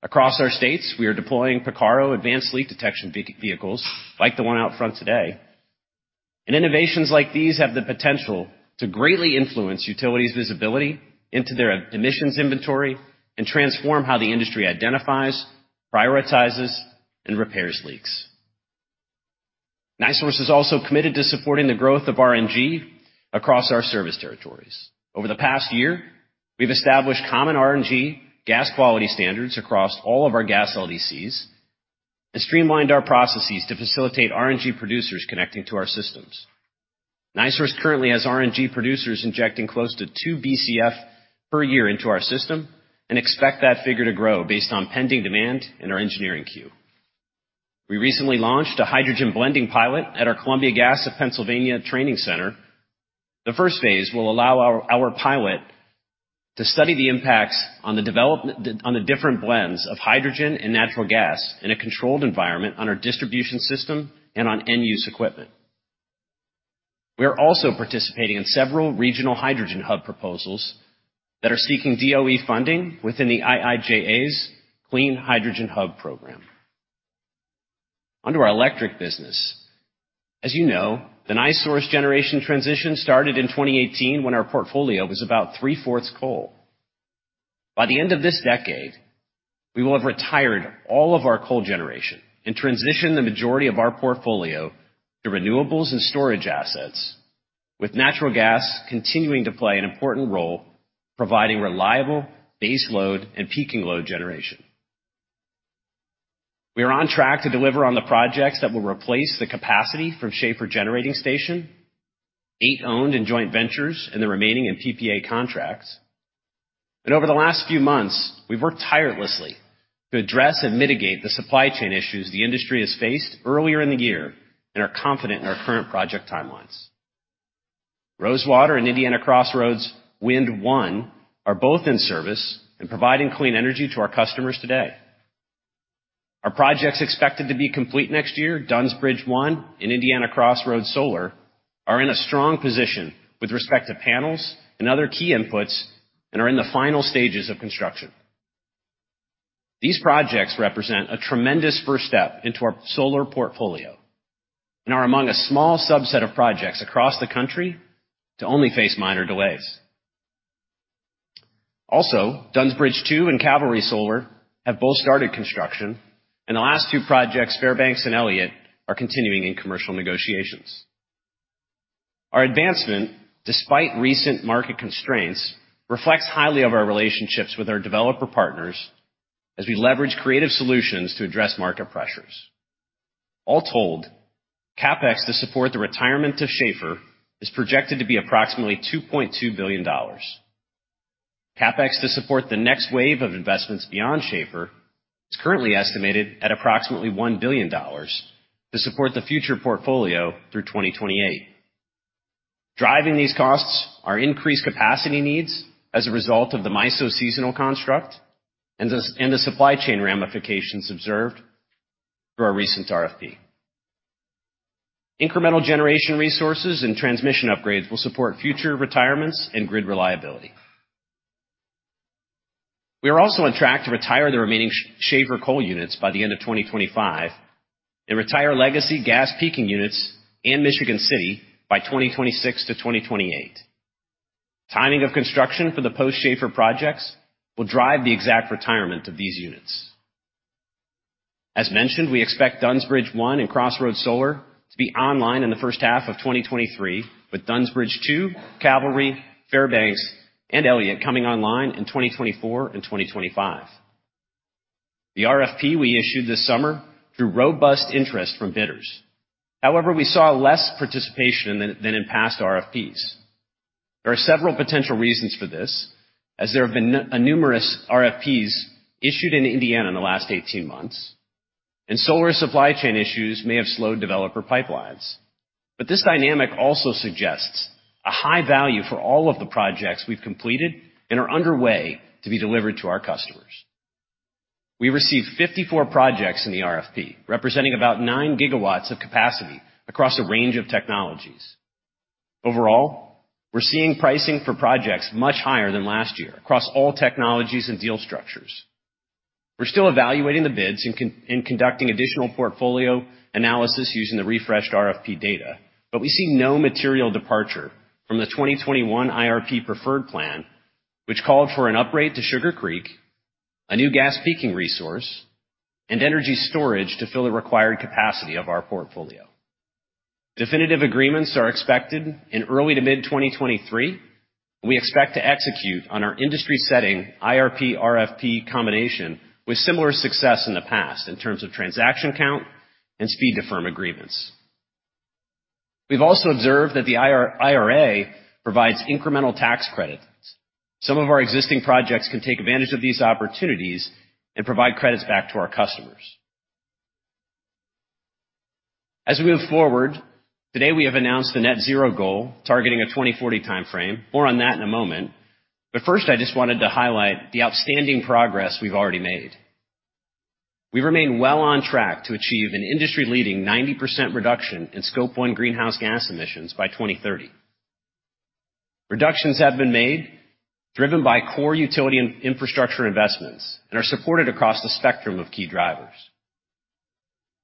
S3: Across our states, we are deploying Picarro advanced leak detection vehicles like the one out front today. Innovations like these have the potential to greatly influence utilities' visibility into their emissions inventory and transform how the industry identifies, prioritizes, and repairs leaks. NiSource is also committed to supporting the growth of RNG across our service territories. Over the past year, we've established common RNG gas quality standards across all of our gas LDCs and streamlined our processes to facilitate RNG producers connecting to our systems. NiSource currently has RNG producers injecting close to 2 BCF per year into our system and expect that figure to grow based on pending demand in our engineering queue. We recently launched a hydrogen blending pilot at our Columbia Gas of Pennsylvania Training Center. The first phase will allow our pilot to study the impacts on the different blends of hydrogen and natural gas in a controlled environment on our distribution system and on end-use equipment. We are also participating in several regional hydrogen hub proposals that are seeking DOE funding within the IIJA's Clean Hydrogen Hub program. Onto our electric business. As you know, the NiSource generation transition started in 2018 when our portfolio was about three-fourths coal. By the end of this decade, we will have retired all of our coal generation and transitioned the majority of our portfolio to renewables and storage assets, with natural gas continuing to play an important role providing reliable baseload and peaking load generation. We are on track to deliver on the projects that will replace the capacity from R.M. Schahfer Generating Station, eight owned and joint ventures, and the remaining in PPA contracts. Over the last few months, we've worked tirelessly to address and mitigate the supply chain issues the industry has faced earlier in the year and are confident in our current project timelines. Rosewater and Indiana Crossroads Wind One are both in service and providing clean energy to our customers today. Our projects expected to be complete next year, Dunns Bridge I and Indiana Crossroads Solar, are in a strong position with respect to panels and other key inputs and are in the final stages of construction. These projects represent a tremendous first step into our solar portfolio and are among a small subset of projects across the country to only face minor delays. Dunn's Bridge II and Cavalry Solar have both started construction, and the last two projects, Fairbanks and Elliott, are continuing in commercial negotiations. Our advancement, despite recent market constraints, reflects highly of our relationships with our developer partners as we leverage creative solutions to address market pressures. All told, CapEx to support the retirement of Schahfer is projected to be approximately $2.2 billion. CapEx to support the next wave of investments beyond Schahfer is currently estimated at approximately $1 billion to support the future portfolio through 2028. Driving these costs are increased capacity needs as a result of the MISO seasonal construct and the supply chain ramifications observed through our recent RFP. Incremental generation resources and transmission upgrades will support future retirements and grid reliability. We are also on track to retire the remaining Schahfer coal units by the end of 2025 and retire legacy gas peaking units in Michigan City by 2026-2028. Timing of construction for the post-Schahfer projects will drive the exact retirement of these units. As mentioned, we expect Dunns Bridge I and Crossroads Solar to be online in the first half of 2023, with Dunns Bridge II, Cavalry, Fairbanks, and Elliott coming online in 2024 and 2025. The RFP we issued this summer drew robust interest from bidders. However, we saw less participation than in past RFPs. There are several potential reasons for this, as there have been numerous RFPs issued in Indiana in the last 18 months, and solar supply chain issues may have slowed developer pipelines. This dynamic also suggests a high value for all of the projects we've completed and are underway to be delivered to our customers. We received 54 projects in the RFP, representing about 9 GW of capacity across a range of technologies. Overall, we're seeing pricing for projects much higher than last year across all technologies and deal structures. We're still evaluating the bids and conducting additional portfolio analysis using the refreshed RFP data, but we see no material departure from the 2021 IRP preferred plan, which called for an upgrade to Sugar Creek, a new gas peaking resource, and energy storage to fill the required capacity of our portfolio. Definitive agreements are expected in early to mid-2023. We expect to execute on our industry-setting IRP, RFP combination with similar success in the past in terms of transaction count and speed to firm agreements. We've also observed that the IRA provides incremental tax credits. Some of our existing projects can take advantage of these opportunities and provide credits back to our customers. As we move forward, today we have announced the net 0 goal, targeting a 2040 time frame. More on that in a moment, but first, I just wanted to highlight the outstanding progress we've already made. We remain well on track to achieve an industry-leading 90% reduction in scope one greenhouse gas emissions by 2030. Reductions have been made, driven by core utility infrastructure investments and are supported across the spectrum of key drivers.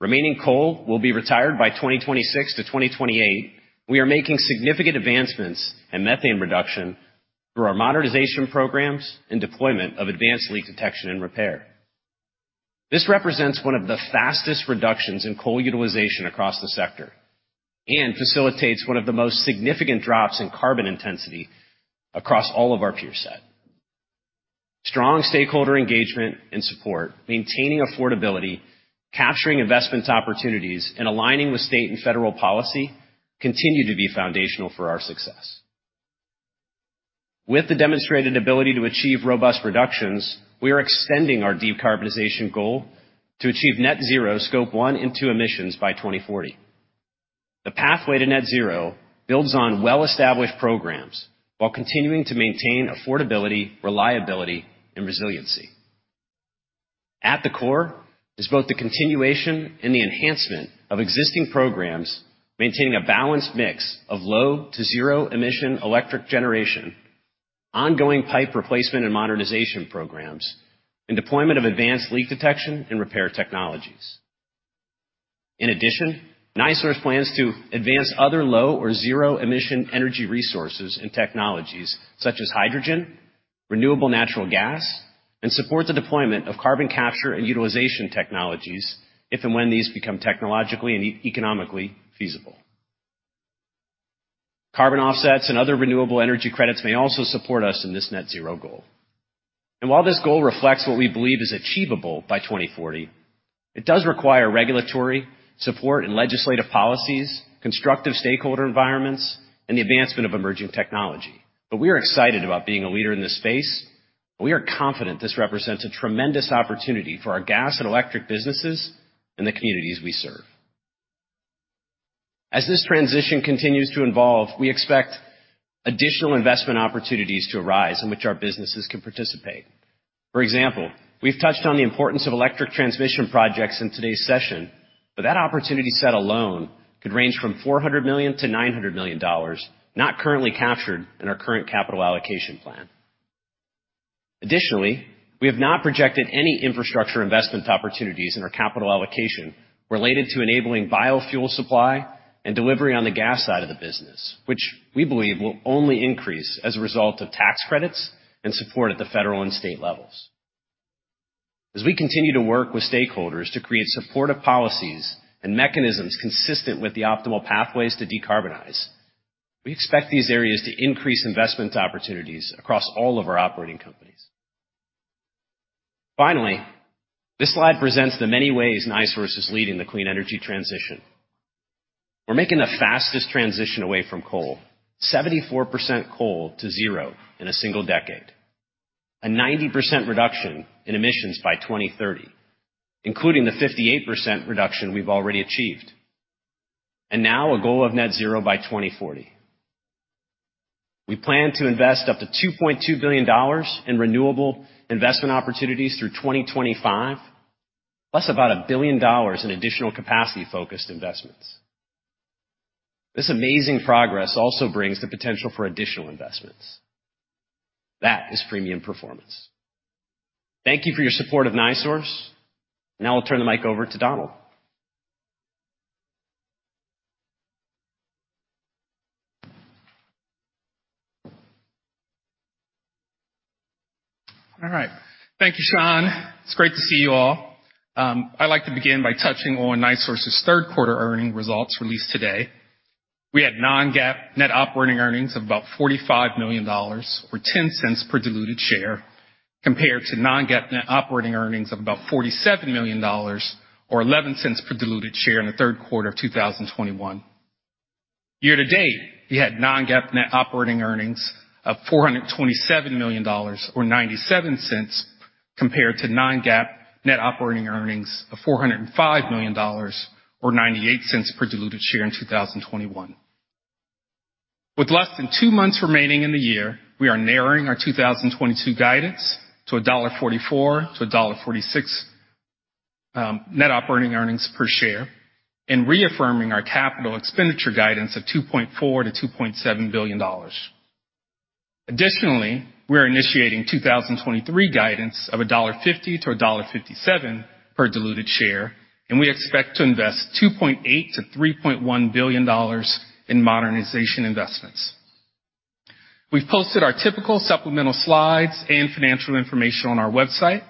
S3: Remaining coal will be retired by 2026-2028. We are making significant advancements in methane reduction through our modernization programs and deployment of advanced leak detection and repair. This represents one of the fastest reductions in coal utilization across the sector and facilitates one of the most significant drops in carbon intensity across all of our peer set. Strong stakeholder engagement and support, maintaining affordability, capturing investment opportunities, and aligning with state and federal policy continue to be foundational for our success. With the demonstrated ability to achieve robust reductions, we are extending our deep carbonization goal to achieve net 0 scope one and two emissions by 2040. The pathway to net 0 builds on well-established programs while continuing to maintain affordability, reliability, and resiliency. At the core is both the continuation and the enhancement of existing programs, maintaining a balanced mix of low to zero-emission electric generation, ongoing pipe replacement and modernization programs, and deployment of advanced leak detection and repair technologies. In addition, NiSource plans to advance other low or zero-emission energy resources and technologies such as hydrogen, renewable natural gas, and support the deployment of carbon capture and utilization technologies if and when these become technologically and economically feasible. Carbon offsets and other renewable energy credits may also support us in this net 0 goal. While this goal reflects what we believe is achievable by 2040, it does require regulatory support and legislative policies, constructive stakeholder environments, and the advancement of emerging technology. We are excited about being a leader in this space, and we are confident this represents a tremendous opportunity for our gas and electric businesses and the communities we serve. As this transition continues to evolve, we expect additional investment opportunities to arise in which our businesses can participate. For example, we've touched on the importance of electric transmission projects in today's session, but that opportunity set alone could range from $400 million-$900 million not currently captured in our current capital allocation plan. Additionally, we have not projected any infrastructure investment opportunities in our capital allocation related to enabling biofuel supply and delivery on the gas side of the business, which we believe will only increase as a result of tax credits and support at the federal and state levels. As we continue to work with stakeholders to create supportive policies and mechanisms consistent with the optimal pathways to decarbonize, we expect these areas to increase investment opportunities across all of our operating companies. Finally, this slide presents the many ways NiSource is leading the clean energy transition. We're making the fastest transition away from coal, 74% coal to0 in a single decade. A 90% reduction in emissions by 2030, including the 58% reduction we've already achieved. Now a goal of net 0 by 2040. We plan to invest up to $2.2 billion in renewable investment opportunities through 2025, plus about $1 billion in additional capacity-focused investments. This amazing progress also brings the potential for additional investments. That is premium performance. Thank you for your support of NiSource. Now I'll turn the mic over to Donald.
S4: All right. Thank you, Shawn. It's great to see you all. I'd like to begin by touching on NiSource's third quarter earnings results released today. We had non-GAAP net operating earnings of about $45 million or $0.10 per diluted share, compared to non-GAAP net operating earnings of about $47 million or $0.11 per diluted share in the third quarter of 2021. Year to date, we had non-GAAP net operating earnings of $427 million or $0.97 compared to non-GAAP net operating earnings of $405 million or $0.98 per diluted share in 2021. With less than two months remaining in the year, we are narrowing our 2022 guidance to $1.44-$1.46 net operating earnings per share and reaffirming our capital expenditure guidance of $2.4-$2.7 billion. Additionally, we're initiating 2023 guidance of $1.50-$1.57 per diluted share, and we expect to invest $2.8-$3.1 billion in modernization investments. We've posted our typical supplemental slides and financial information on our website.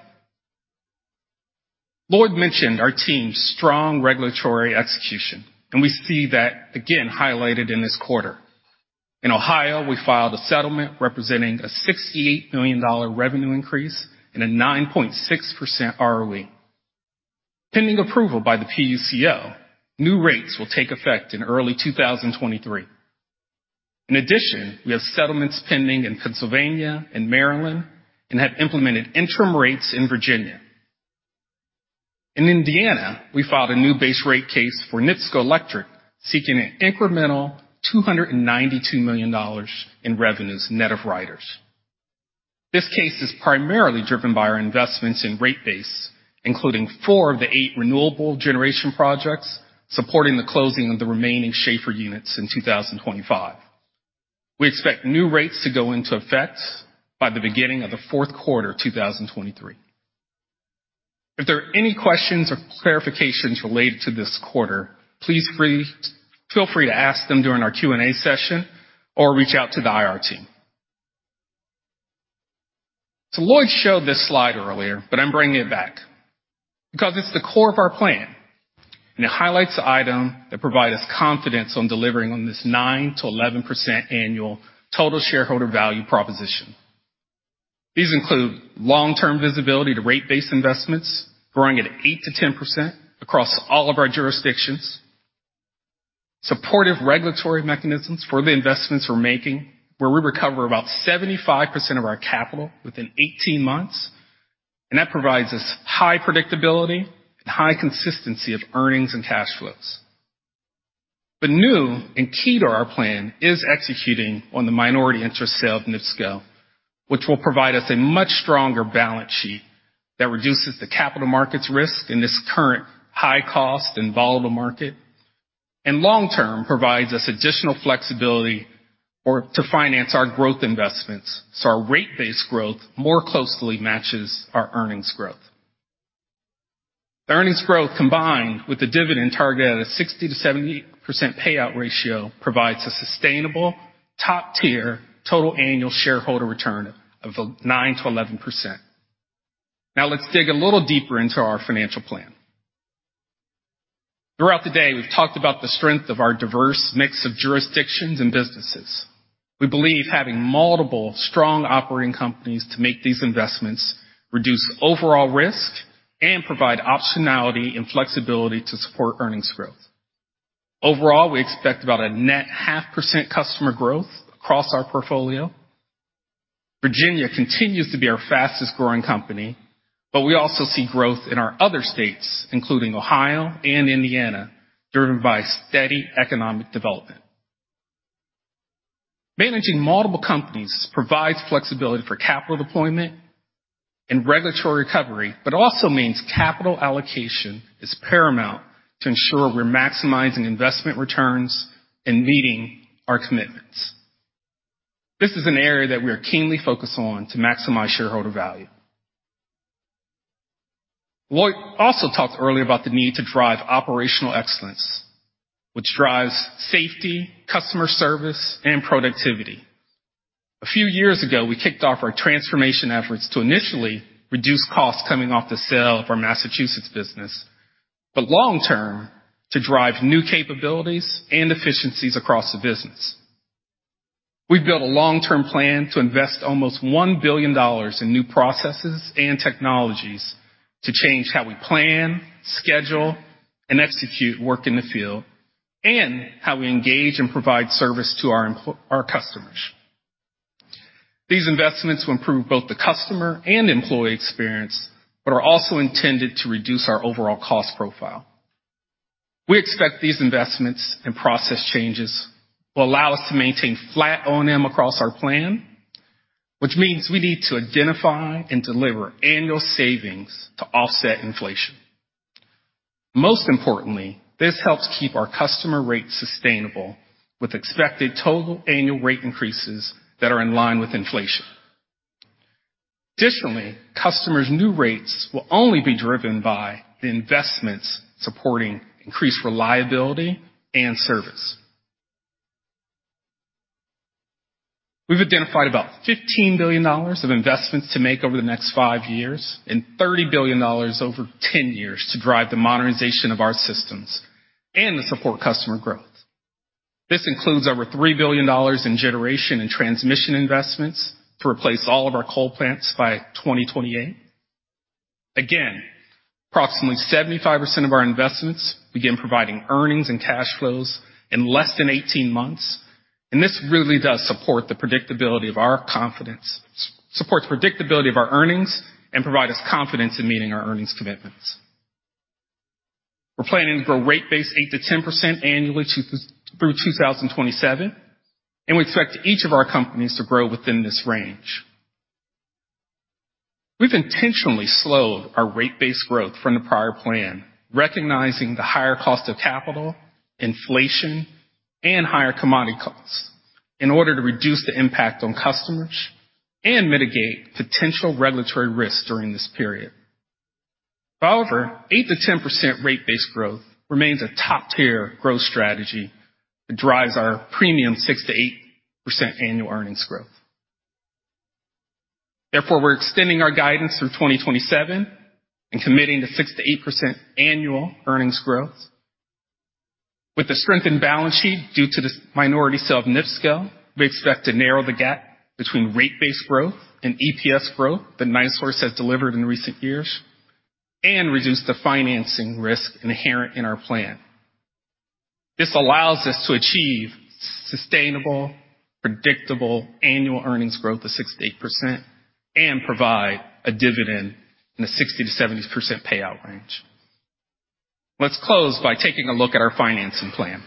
S4: Lloyd mentioned our team's strong regulatory execution, and we see that again highlighted in this quarter. In Ohio, we filed a settlement representing a $68 million revenue increase and a 9.6% ROE. Pending approval by the PUCO, new rates will take effect in early 2023. In addition, we have settlements pending in Pennsylvania and Maryland and have implemented interim rates in Virginia. In Indiana, we filed a new base rate case for NIPSCO Electric, seeking an incremental $292 million in revenues net of riders. This case is primarily driven by our investments in rate base, including four of the eight renewable generation projects supporting the closing of the remaining Schahfer units in 2025. We expect new rates to go into effect by the beginning of the fourth quarter, 2023. If there are any questions or clarifications related to this quarter, please feel free to ask them during our Q&A session or reach out to the IR team. Lloyd showed this slide earlier, but I'm bringing it back because it's the core of our plan, and it highlights the items that provide us confidence on delivering on this 9%-11% annual total shareholder value proposition. These include long-term visibility to rate base investments growing at 8%-10% across all of our jurisdictions. Supportive regulatory mechanisms for the investments we're making, where we recover about 75% of our capital within 18 months. That provides us high predictability and high consistency of earnings and cash flows. New and key to our plan is executing on the minority interest sale of NIPSCO, which will provide us a much stronger balance sheet that reduces the capital markets risk in this current high cost and volatile market. Long term, provides us additional flexibility or to finance our growth investments, so our rate base growth more closely matches our earnings growth. The earnings growth, combined with the dividend target at a 60%-70% payout ratio, provides a sustainable top-tier total annual shareholder return of nine to eleven percent. Now let's dig a little deeper into our financial plan. Throughout the day, we've talked about the strength of our diverse mix of jurisdictions and businesses. We believe having multiple strong operating companies to make these investments reduce overall risk and provide optionality and flexibility to support earnings growth. Overall, we expect about a net half percent customer growth across our portfolio. Virginia continues to be our fastest-growing company, but we also see growth in our other states, including Ohio and Indiana, driven by steady economic development. Managing multiple companies provides flexibility for capital deployment and regulatory recovery, but also means capital allocation is paramount to ensure we're maximizing investment returns and meeting our commitments. This is an area that we are keenly focused on to maximize shareholder value. Lloyd also talked earlier about the need to drive operational excellence, which drives safety, customer service and productivity. A few years ago, we kicked off our transformation efforts to initially reduce costs coming off the sale of our Massachusetts business, but long term to drive new capabilities and efficiencies across the business. We've built a long-term plan to invest almost $1 billion in new processes and technologies to change how we plan, schedule, and execute work in the field, and how we engage and provide service to our customers. These investments will improve both the customer and employee experience, but are also intended to reduce our overall cost profile. We expect these investments and process changes will allow us to maintain flat O&M across our plan, which means we need to identify and deliver annual savings to offset inflation. Most importantly, this helps keep our customer rates sustainable with expected total annual rate increases that are in line with inflation. Additionally, customers' new rates will only be driven by the investments supporting increased reliability and service. We've identified about $15 billion of investments to make over the next five years and $30 billion over 10 years to drive the modernization of our systems and to support customer growth. This includes over $3 billion in generation and transmission investments to replace all of our coal plants by 2028. Again, approximately 75% of our investments begin providing earnings and cash flows in less than 18 months, and this really supports predictability of our earnings and provides us confidence in meeting our earnings commitments. We're planning to grow rate base 8%-10% annually through 2027, and we expect each of our companies to grow within this range. We've intentionally slowed our rate-based growth from the prior plan, recognizing the higher cost of capital, inflation, and higher commodity costs in order to reduce the impact on customers and mitigate potential regulatory risks during this period. However, 8%-10% rate-based growth remains a top-tier growth strategy that drives our premium 6%-8% annual earnings growth. Therefore, we're extending our guidance through 2027 and committing to 6%-8% annual earnings growth. With the strengthened balance sheet due to the minority sale of NIPSCO, we expect to narrow the gap between rate-based growth and EPS growth that NiSource has delivered in recent years and reduce the financing risk inherent in our plan. This allows us to achieve sustainable, predictable annual earnings growth of 6%-8% and provide a dividend in the 60%-70% payout range. Let's close by taking a look at our financing plan.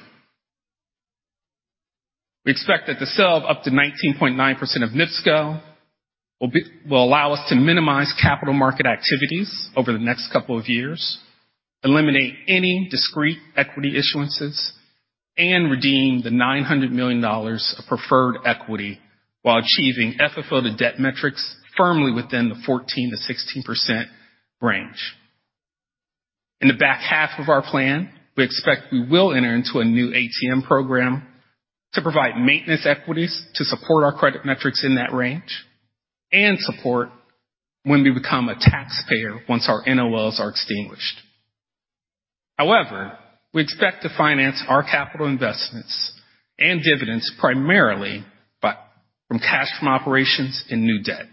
S4: We expect that the sale of up to 19.9% of NIPSCO will allow us to minimize capital market activities over the next couple of years, eliminate any discrete equity issuances, and redeem the $900 million of preferred equity while achieving FFO to debt metrics firmly within the 14%-16% range. In the back half of our plan, we expect we will enter into a new ATM program to provide maintenance equities to support our credit metrics in that range and support when we become a taxpayer once our NOLs are extinguished. However, we expect to finance our capital investments and dividends primarily from cash from operations and new debt.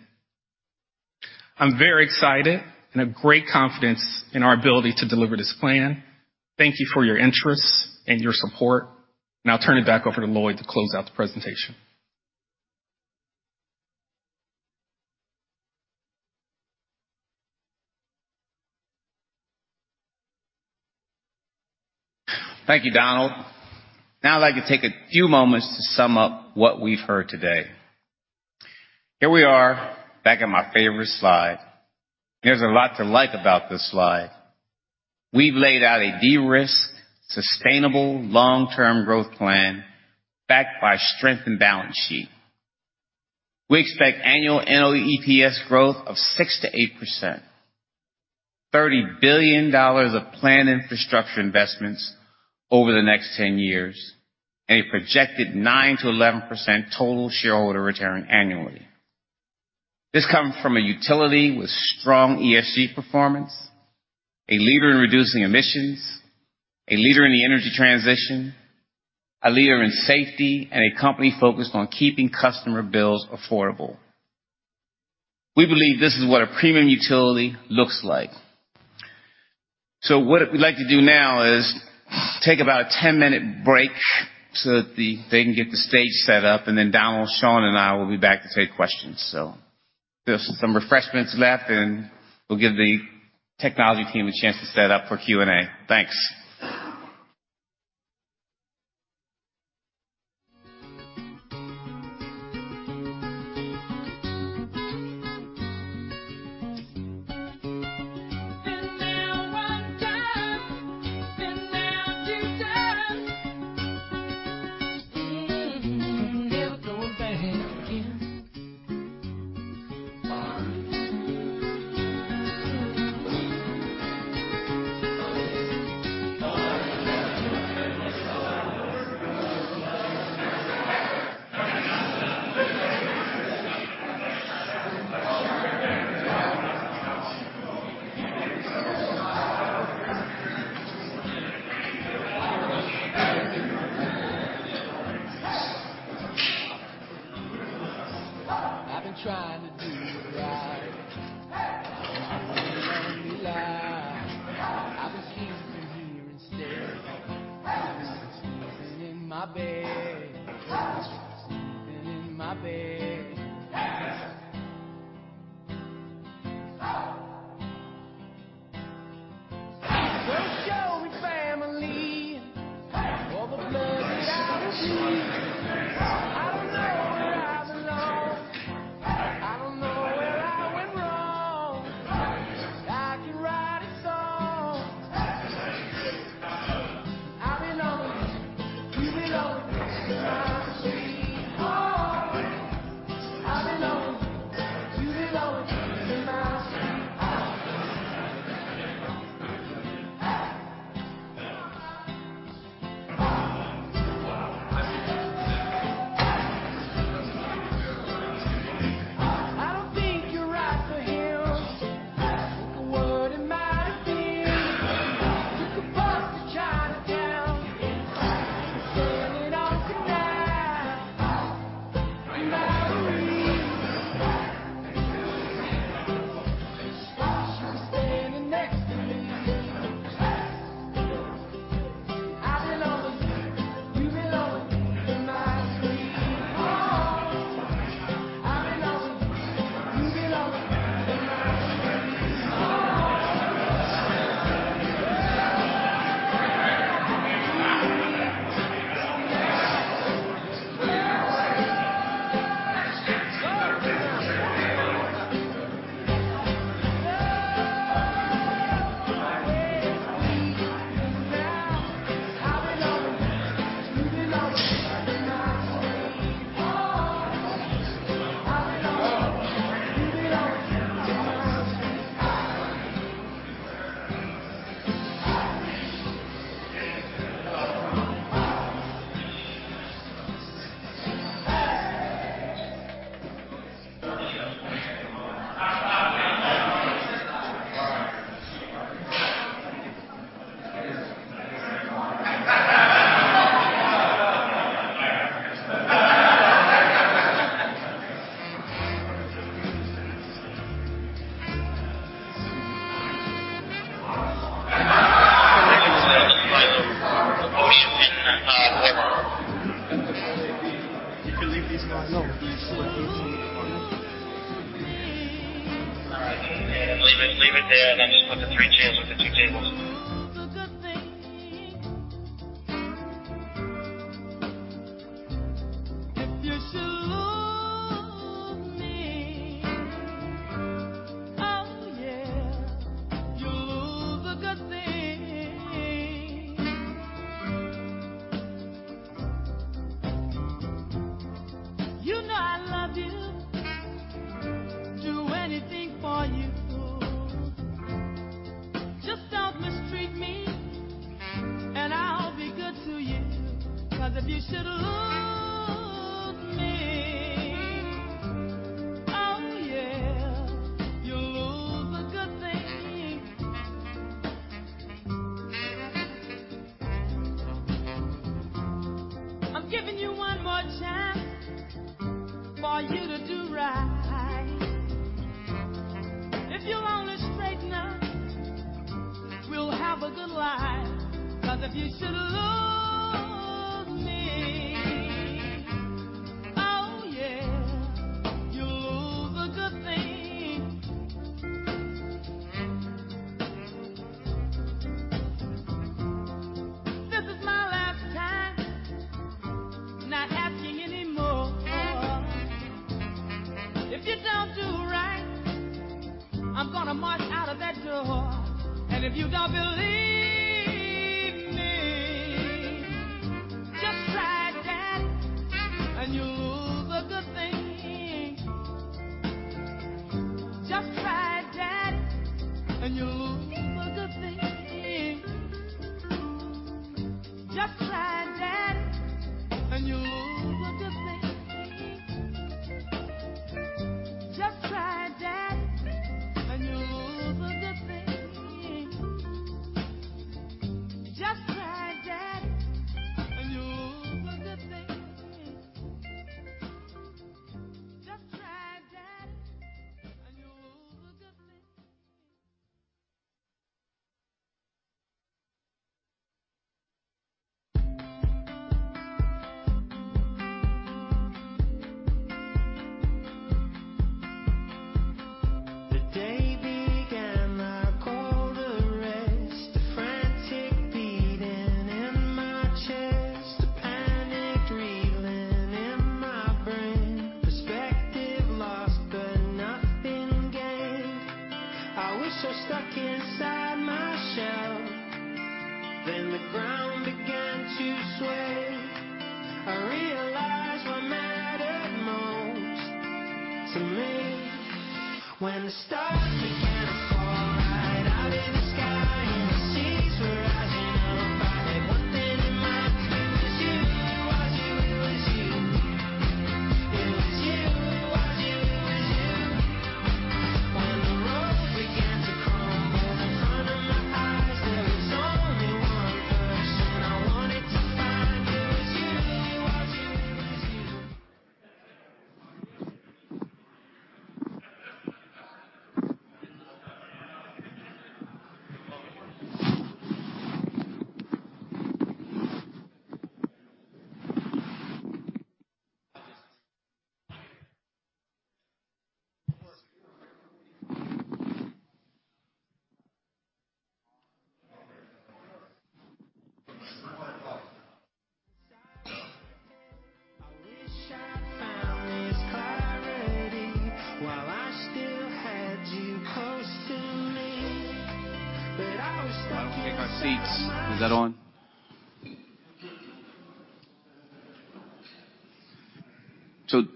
S4: I'm very excited and have great confidence in our ability to deliver this plan. Thank you for your interest and your support. Now I turn it back over to Lloyd to close out the presentation.
S2: Thank you, Donald. Now I'd like to take a few moments to sum up what we've heard today. Here we are back at my favorite slide. There's a lot to like about this slide. We've laid out a de-risked, sustainable long-term growth plan backed by a strengthened balance sheet. We expect annual NOEPS growth of 6%-8%, $30 billion of planned infrastructure investments over the next 10 years, and a projected 9%-11% total shareholder return annually. This comes from a utility with strong ESG performance, a leader in reducing emissions, a leader in the energy transition, a leader in safety, and a company focused on keeping customer bills affordable. We believe this is what a premium utility looks like. What we'd like to do now is take about a 10-minute break so that they can get the stage set up, and then Donald, Shawn, and I will be back to take questions. There're some refreshments left, and we'll give the technology team a chance to set up for Q&A. Thanks.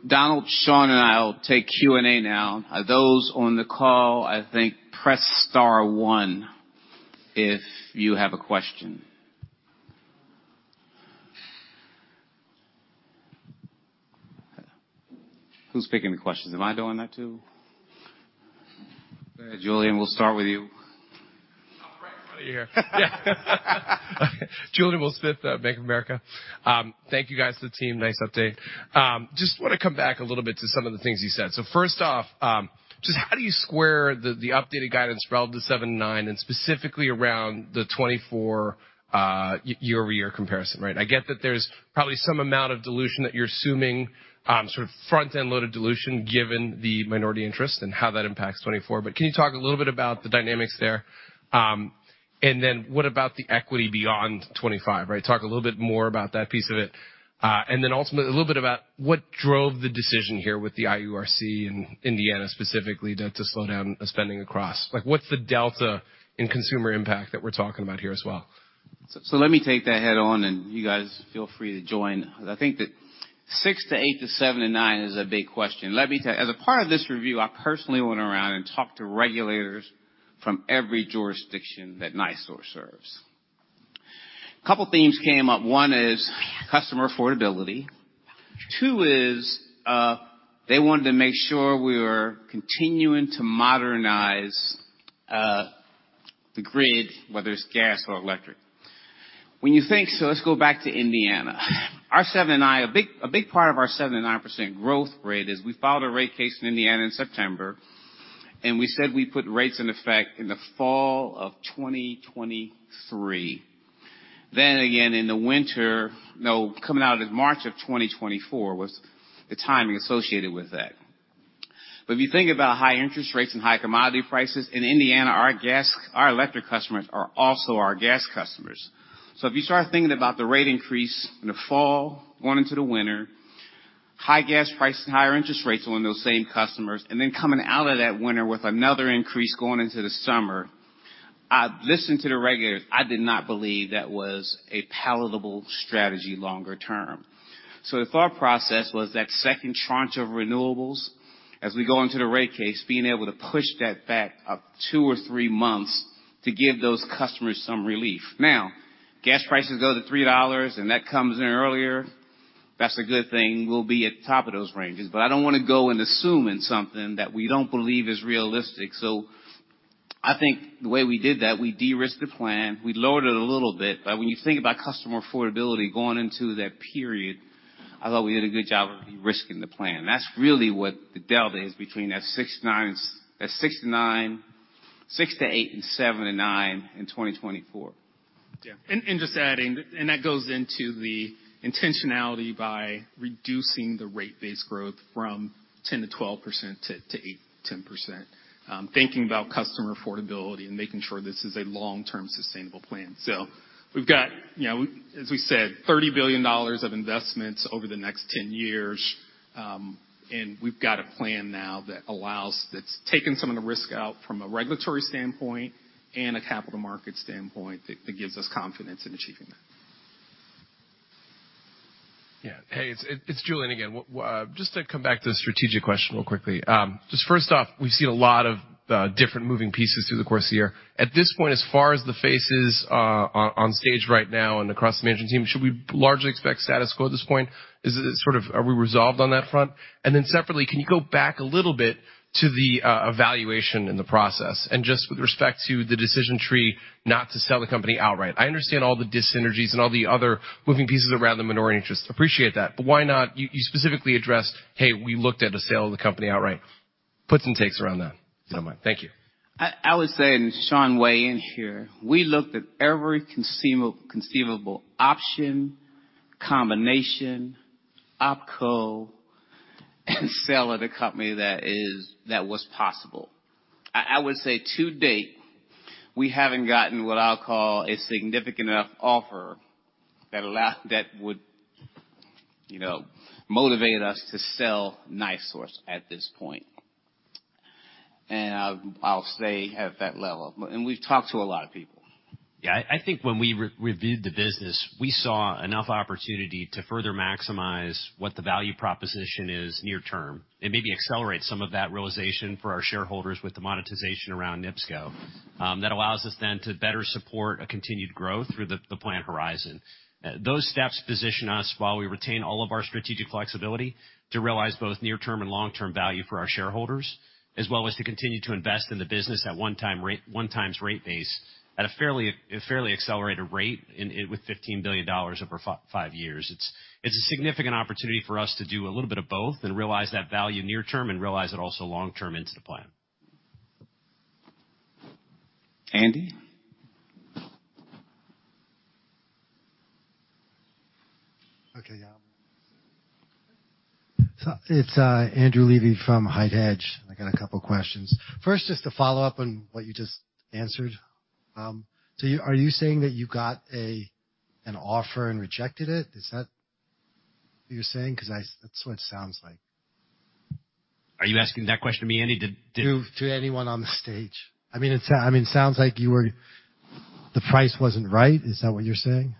S2: Donald, Sean, and I will take Q&A now. Those on the call, I think, press star one if you have a question. Who's picking the questions? Am I doing that too? Julien, we'll start with you.
S5: I'm right in front of you here. Yeah okay, Julien Dumoulin-Smith, Bank of America. Thank you guys to the team. Nice update. Just want to come back a little bit to some of the things you said. First off, just how do you square the updated guidance relative to 2017 and 2019 and specifically around the 2024 year-over-year comparison, right? I get that there's probably some amount of dilution that you're assuming, sort of front-end loaded dilution given the minority interest and how that impacts 2024. Can you talk a little bit about the dynamics there? What about the equity beyond 2025, right? Talk a little bit more about that piece of it. Ultimately a little bit about what drove the decision here with the IURC in Indiana specifically to slow down spending across. Like, what's the delta in consumer impact that we're talking about here as well?
S2: Let me take that head on and you guys feel free to join. I think that 6%-8% to 7%-9% is a big question. Let me tell you, as a part of this review, I personally went around and talked to regulators from every jurisdiction that NiSource serves. A couple themes came up. One is customer affordability. Two is, they wanted to make sure we were continuing to modernize the grid, whether it's gas or electric. Let's go back to Indiana. Our 7%-9%, a big part of our 7%-9% growth rate is we filed a rate case in Indiana in September, and we said we put rates in effect in the fall of 2023. Coming out of March 2024 was the timing associated with that. If you think about high interest rates and high commodity prices in Indiana, our gas, our electric customers are also our gas customers. If you start thinking about the rate increase in the fall, going into the winter, high gas prices, higher interest rates on those same customers, and then coming out of that winter with another increase going into the summer, I listened to the regulators. I did not believe that was a palatable strategy longer term. The thought process was that second tranche of renewables, as we go into the rate case, being able to push that back up two or three months to give those customers some relief. Now, gas prices go to $3 and that comes in earlier, that's a good thing. We'll be at the top of those ranges. I don't wanna go and assume in something that we don't believe is realistic. I think the way we did that, we de-risked the plan, we lowered it a little bit, but when you think about customer affordability going into that period, I thought we did a good job of de-risking the plan. That's really what the delta is between that 6-9, 6-8 and 7-9 in 2024.
S4: Just adding that goes into the intentionality by reducing the rate-based growth from 10%-12% to 8%-10%, thinking about customer affordability and making sure this is a long-term sustainable plan. We've got, you know, as we said, $30 billion of investments over the next 10 years, and we've got a plan now that allows, that's taken some of the risk out from a regulatory standpoint and a capital market standpoint that gives us confidence in achieving that.
S5: Yeah. Hey, it's Julien again. Well, just to come back to the strategic question real quickly. Just first off, we've seen a lot of different moving pieces through the course of the year. At this point, as far as the faces on stage right now and across the management team, should we largely expect status quo at this point? Is it sort of are we resolved on that front? Then separately, can you go back a little bit to the evaluation in the process and just with respect to the decision tree not to sell the company outright. I understand all the dyssynergies and all the other moving pieces around the minority interest. Appreciate that. But why not. You specifically addressed, hey, we looked at a sale of the company outright. Puts and takes around that, if you don't mind. Thank you.
S2: I would say, Shawn weigh in here. We looked at every conceivable option, combination, OpCo, and sale of the company that was possible. I would say to date, we haven't gotten what I'll call a significant enough offer that would, you know, motivate us to sell NiSource at this point. I'll stay at that level. We've talked to a lot of people.
S3: Yeah. I think when we re-reviewed the business, we saw enough opportunity to further maximize what the value proposition is near term and maybe accelerate some of that realization for our shareholders with the monetization around NIPSCO. That allows us then to better support a continued growth through the plan horizon. Those steps position us while we retain all of our strategic flexibility to realize both near-term and long-term value for our shareholders, as well as to continue to invest in the business at 1x rate base at a fairly accelerated rate with $15 billion over five years. It's a significant opportunity for us to do a little bit of both and realize that value near term and realize it also long term into the plan.
S2: Andy?
S6: Okay, yeah. It's Andrew Levy from HITE Hedge I got a couple questions. First, just to follow up on what you just answered. You are saying that you got an offer and rejected it? Is that what you're saying? Cause that's what it sounds like.
S3: Are you asking that question to me, Andy?
S6: To anyone on the stage. I mean, it sounds like you were. The price wasn't right. Is that what you're saying?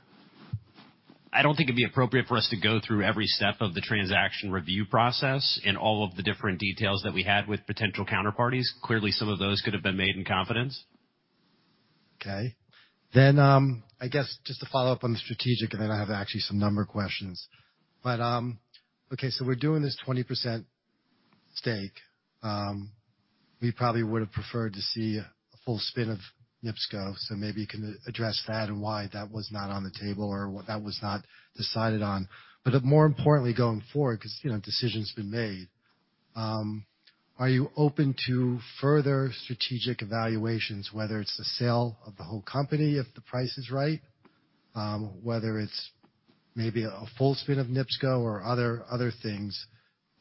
S3: I don't think it'd be appropriate for us to go through every step of the transaction review process and all of the different details that we had with potential counterparties. Clearly, some of those could have been made in confidence.
S6: Okay. I guess just to follow up on the strategic, and then I have actually some number questions. We're doing this 20% stake. We probably would have preferred to see a full spin of NIPSCO, so maybe you can address that and why that was not on the table or what that was not decided on. More importantly, going forward, cause, you know, decision's been made, are you open to further strategic evaluations, whether it's the sale of the whole company, if the price is right, whether it's maybe a full spin of NIPSCO or other things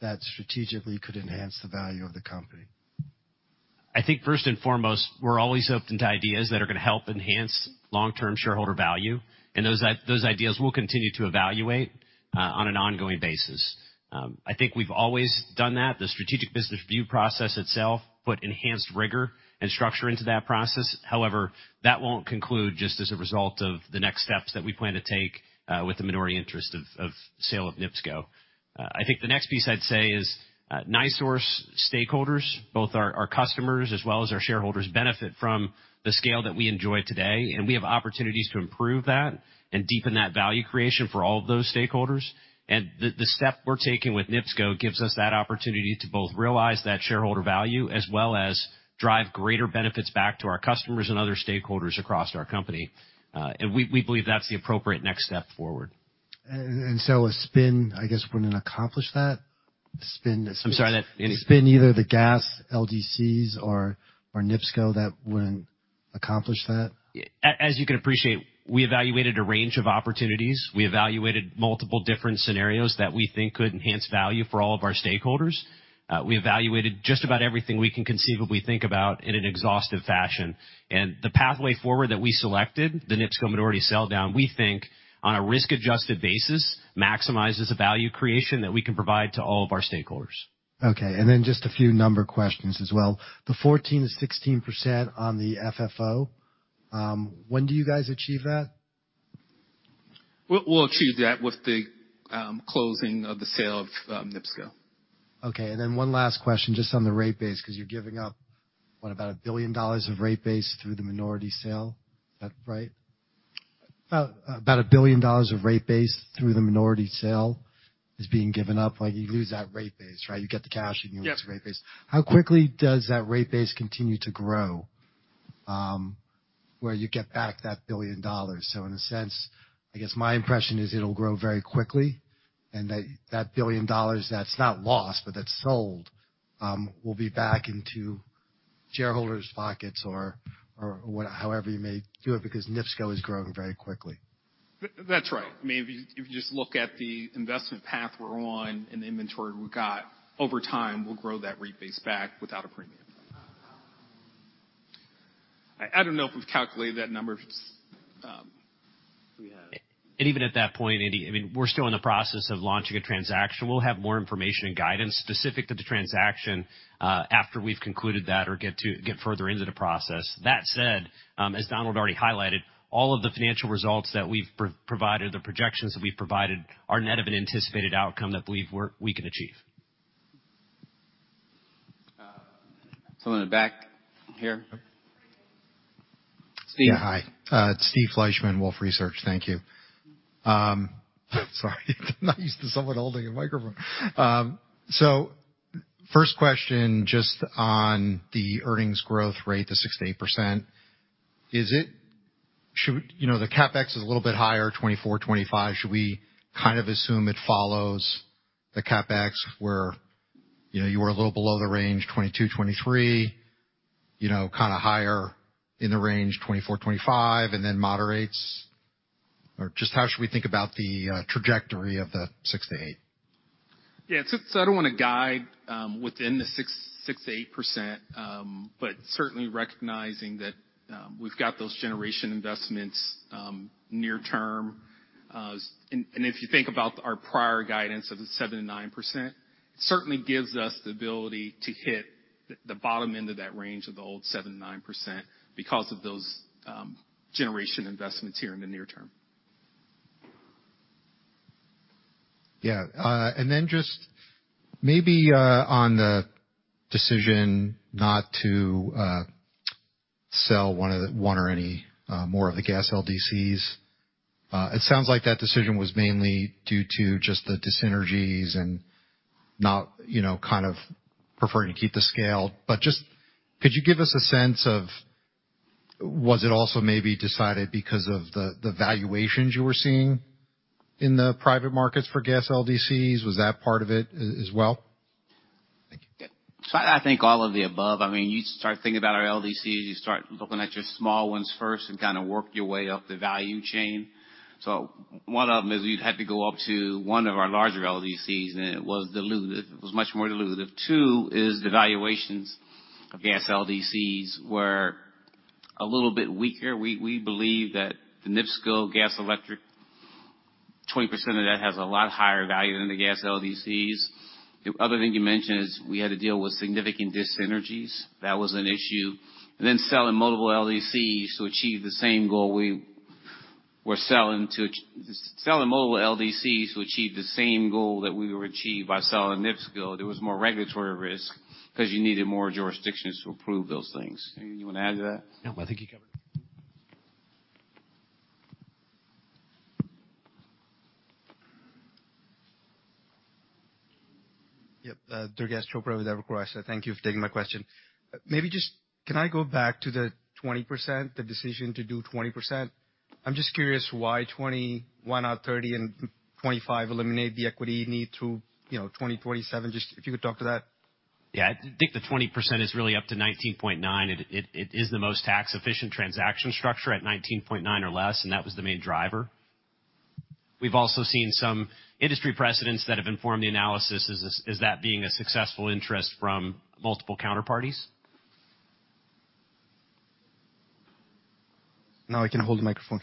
S6: that strategically could enhance the value of the company?
S3: I think first and foremost, we're always open to ideas that are gonna help enhance long-term shareholder value, and those ideas we'll continue to evaluate on an ongoing basis. I think we've always done that. The strategic business review process itself put enhanced rigor and structure into that process. However, that won't conclude just as a result of the next steps that we plan to take with the minority interest of sale of NIPSCO. I think the next piece I'd say is NiSource stakeholders, both our customers as well as our shareholders benefit from the scale that we enjoy today, and we have opportunities to improve that and deepen that value creation for all of those stakeholders. The step we're taking with NIPSCO gives us that opportunity to both realize that shareholder value as well as drive greater benefits back to our customers and other stakeholders across our company. We believe that's the appropriate next step forward.
S6: A spin, I guess, wouldn't accomplish that?
S3: I'm sorry?
S6: Spin either the gas LDCs or NIPSCO that wouldn't accomplish that.
S3: As you can appreciate, we evaluated a range of opportunities. We evaluated multiple different scenarios that we think could enhance value for all of our stakeholders. We evaluated just about everything we can conceivably think about in an exhaustive fashion. The pathway forward that we selected, the NIPSCO minority sell down, we think on a risk-adjusted basis, maximizes the value creation that we can provide to all of our stakeholders.
S6: Okay. Just a few number questions as well. The 14%-16% on the FFO, when do you guys achieve that?
S4: We'll achieve that with the closing of the sale of NIPSCO.
S6: Okay. One last question, just on the rate base, cause you're giving up, what, about $1 billion of rate base through the minority sale? Is that right? About $1 billion of rate base through the minority sale is being given up. Like, you lose that rate base, right? You get the cash and you-
S4: Yes.
S6: lose the rate base. How quickly does that rate base continue to grow, where you get back that $1 billion? In a sense, I guess my impression is it'll grow very quickly, and that $1 billion that's not lost, but that's sold, will be back into shareholders' pockets or what, however you may do it, because NIPSCO is growing very quickly.
S4: That's right. I mean, if you just look at the investment path we're on and the inventory we've got, over time, we'll grow that rate base back without a premium. I don't know if we've calculated that number.
S3: Even at that point, Andy, I mean, we're still in the process of launching a transaction. We'll have more information and guidance specific to the transaction, after we've concluded that or get further into the process. That said, as Donald already highlighted, all of the financial results that we've provided, the projections that we've provided are net of an anticipated outcome that we believe we can achieve.
S2: Someone in the back here. Steve.
S7: Yeah, hi, It's Steve Fleishman, Wolfe Research. Thank you. Sorry, I'm not used to someone holding a microphone. So, first question, just on the earnings growth rate to 6%-8%, should you know, the CapEx is a little bit higher, 2024, 2025. Should we kind of assume it follows the CapEx where, you know, you are a little below the range, 2022, 2023, you know, kind of higher in the range, 2024, 2025, and then moderates? Or just how should we think about the trajectory of the 6%-8%?
S4: Yeah. I don't wanna guide within the 6%-8%, but certainly recognizing that we've got those generation investments near term. If you think about our prior guidance of the 7%-9%, certainly gives us the ability to hit the bottom end of that range of the old 7%-9% because of those generation investments here in the near term.
S7: Yeah. Then just maybe on the decision not to sell one or any more of the gas LDCs. It sounds like that decision was mainly due to just the dyssynergies and not, you know, kind of preferring to keep the scale. Just could you give us a sense of was it also maybe decided because of the valuations you were seeing in the private markets for gas LDCs? Was that part of it as well? Thank you.
S4: I think all of the above. I mean, you start thinking about our LDCs, you start looking at your small ones first and kind of work your way up the value chain. One of them is you'd have to go up to one of our larger LDCs, and it was dilutive. It was much more dilutive. Two is the valuations of gas LDCs were a little bit weaker. We believe that the NIPSCO gas electric, 20% of that has a lot higher value than the gas LDCs. The other thing you mentioned is we had to deal with significant dis-synergies. That was an issue. Selling multiple LDCs to achieve the same goal that we would achieve by selling NIPSCO, there was more regulatory risk cause you needed more jurisdictions to approve those things. Andy, you wanna add to that?
S6: No, I think you covered it.
S8: Yep. Durgesh Chopra with Evercore ISI. Thank you for taking my question. Maybe just can I go back to the 20%, the decision to do 20%? I'm just curious why 20, why not 30 and 25, eliminate the equity need through 2027. Just if you could talk to that.
S3: Yeah. I think the 20% is really up to 19.9. It is the most tax-efficient transaction structure at 19.9 or less, and that was the main driver. We've also seen some industry precedents that have informed the analysis. Is that being a successful interest from multiple counterparties?
S8: Now I can hold the microphone.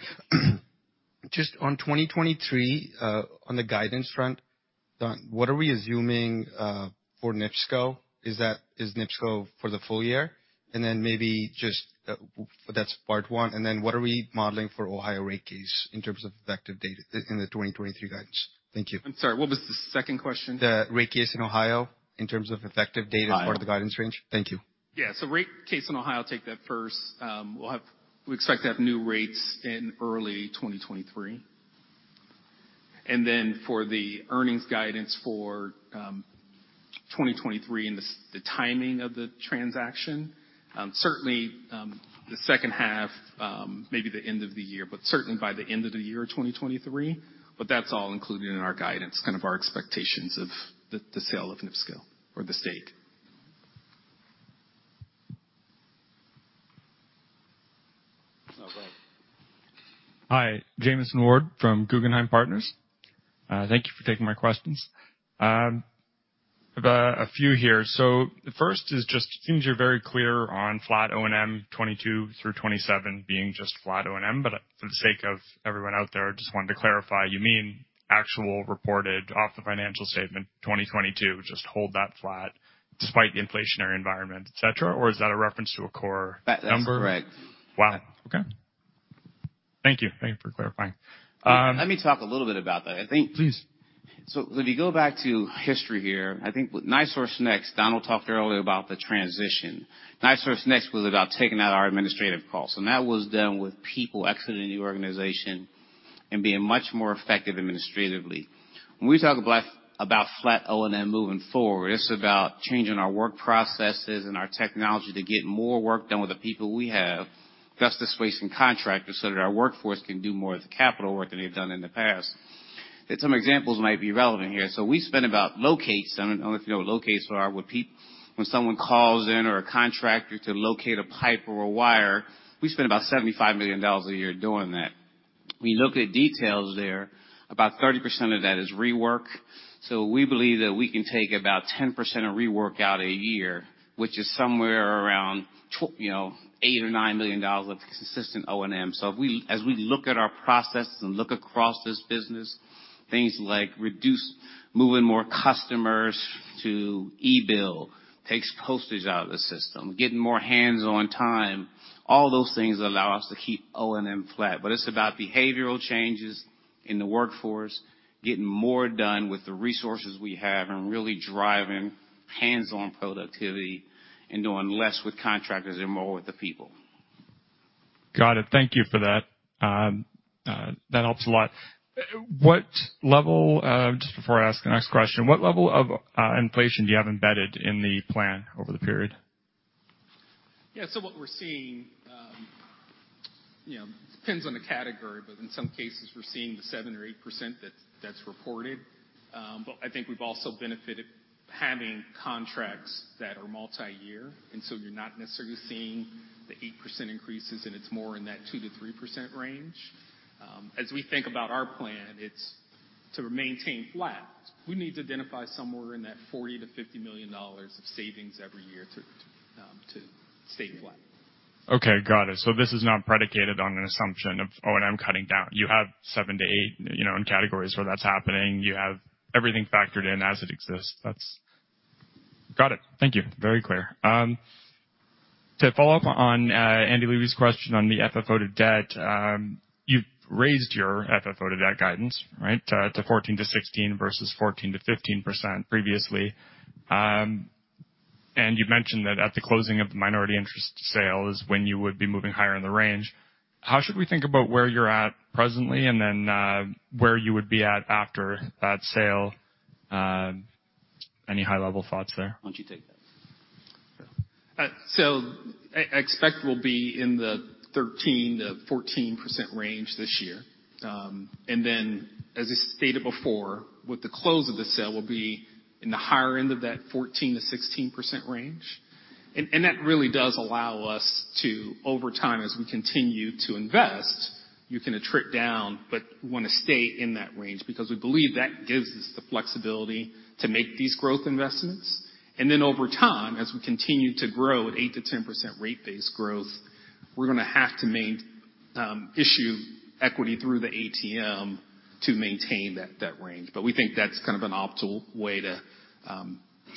S8: Just on 2023, on the guidance front, Don, what are we assuming for NIPSCO? Is NIPSCO for the full year? Maybe just. That's part one. What are we modeling for Ohio rate case in terms of effective date in the 2023 guidance? Thank you.
S4: I'm sorry, what was the second question?
S8: The rate case in Ohio in terms of effective date.
S4: Ohio.
S8: As part of the guidance range. Thank you.
S4: Yeah. Rate case in Ohio, I'll take that first. We expect to have new rates in early 2023. Then for the earnings guidance for 2023 and the timing of the transaction, certainly the second half, maybe the end of the year, but certainly by the end of the year 2023. That's all included in our guidance, kind of our expectations of the sale of NIPSCO or the stake.
S8: Okay.
S9: Hi, James Ward from Guggenheim Partners. Thank you for taking my questions. I've a few here. The first is just it seems you're very clear on flat O&M 2022 through 2027 being just flat O&M, but for the sake of everyone out there, I just wanted to clarify, you mean actual reported off the financial statement 2022, just hold that flat despite the inflationary environment, et cetera? Or is that a reference to a core number?
S2: That's correct.
S9: Wow. Okay. Thank you. Thank you for clarifying.
S2: Let me talk a little bit about that.
S9: Please.
S2: When we go back to history here, I think with NiSource Next, Donald talked earlier about the transition. NiSource Next was about taking out our administrative costs, and that was done with people exiting the organization and being much more effective administratively. When we talk about flat O&M moving forward, it's about changing our work processes and our technology to get more work done with the people we have, thus displacing contractors so that our workforce can do more of the capital work than they've done in the past. There are some examples that might be relevant here. We spend about locates. I don't know if you know what locates are. When someone calls in or a contractor to locate a pipe or a wire, we spend about $75 million a year doing that. We looked at details there. About 30% of that is rework. We believe that we can take about 10% of rework out a year, which is somewhere around $8 million or $9 million of consistent O&M. As we look at our process and look across this business, things like moving more customers to e-bill takes postage out of the system, getting more hands-on time, all those things allow us to keep O&M flat. It's about behavioral changes in the workforce, getting more done with the resources we have, and really driving hands-on productivity and doing less with contractors and more with the people.
S9: Got it. Thank you for that. That helps a lot. Just before I ask the next question, what level of inflation do you have embedded in the plan over the period?
S4: Yeah. What we're seeing, you know, depends on the category, but in some cases, we're seeing the 7% or 8% that's reported. I think we've also benefited having contracts that are multi-year, and so you're not necessarily seeing the 8% increases, and it's more in that 2%-3% range. As we think about our plan, it's to maintain flat. We need to identify somewhere in that $40 million-$50 million of savings every year to stay flat.
S9: Okay. Got it. This is not predicated on an assumption of O&M cutting down. You have 7%-8%, you know, in categories where that's happening. You have everything factored in as it exists. That's. Got it. Thank you. Very clear. To follow up on Andy Levy's question on the FFO to debt, you've raised your FFO to debt guidance, right, to 14%-16% versus 14%-15% previously. And you mentioned that at the closing of the minority interest sale is when you would be moving higher in the range. How should we think about where you're at presently and then where you would be at after that sale? Any high-level thoughts there?
S2: Why don't you take that?
S4: Expect we'll be in the 13%-14% range this year. Then as I stated before, with the close of the sale, we'll be in the higher end of that 14%-16% range. That really does allow us to, over time, as we continue to invest, you can attrit down, but we wanna stay in that range because we believe that gives us the flexibility to make these growth investments. Then over time, as we continue to grow at 8%-10% rate base growth, we're gonna have to issue equity through the ATM to maintain that debt range. We think that's kind of an optimal way to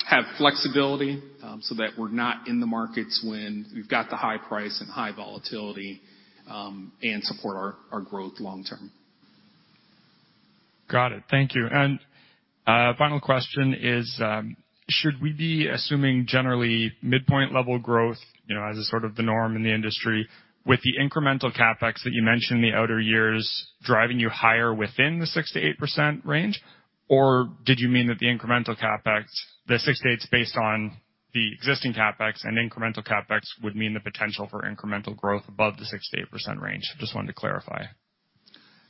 S4: have flexibility, so that we're not in the markets when we've got the high price and high volatility, and support our growth long term.
S9: Got it. Thank you. Final question is, should we be assuming generally midpoint level growth, you know, as a sort of the norm in the industry with the incremental CapEx that you mentioned in the outer years driving you higher within the 6%-8% range? Or did you mean that the incremental CapEx, the 6%-8%'s based on the existing CapEx and incremental CapEx would mean the potential for incremental growth above the 6%-8% range? Just wanted to clarify.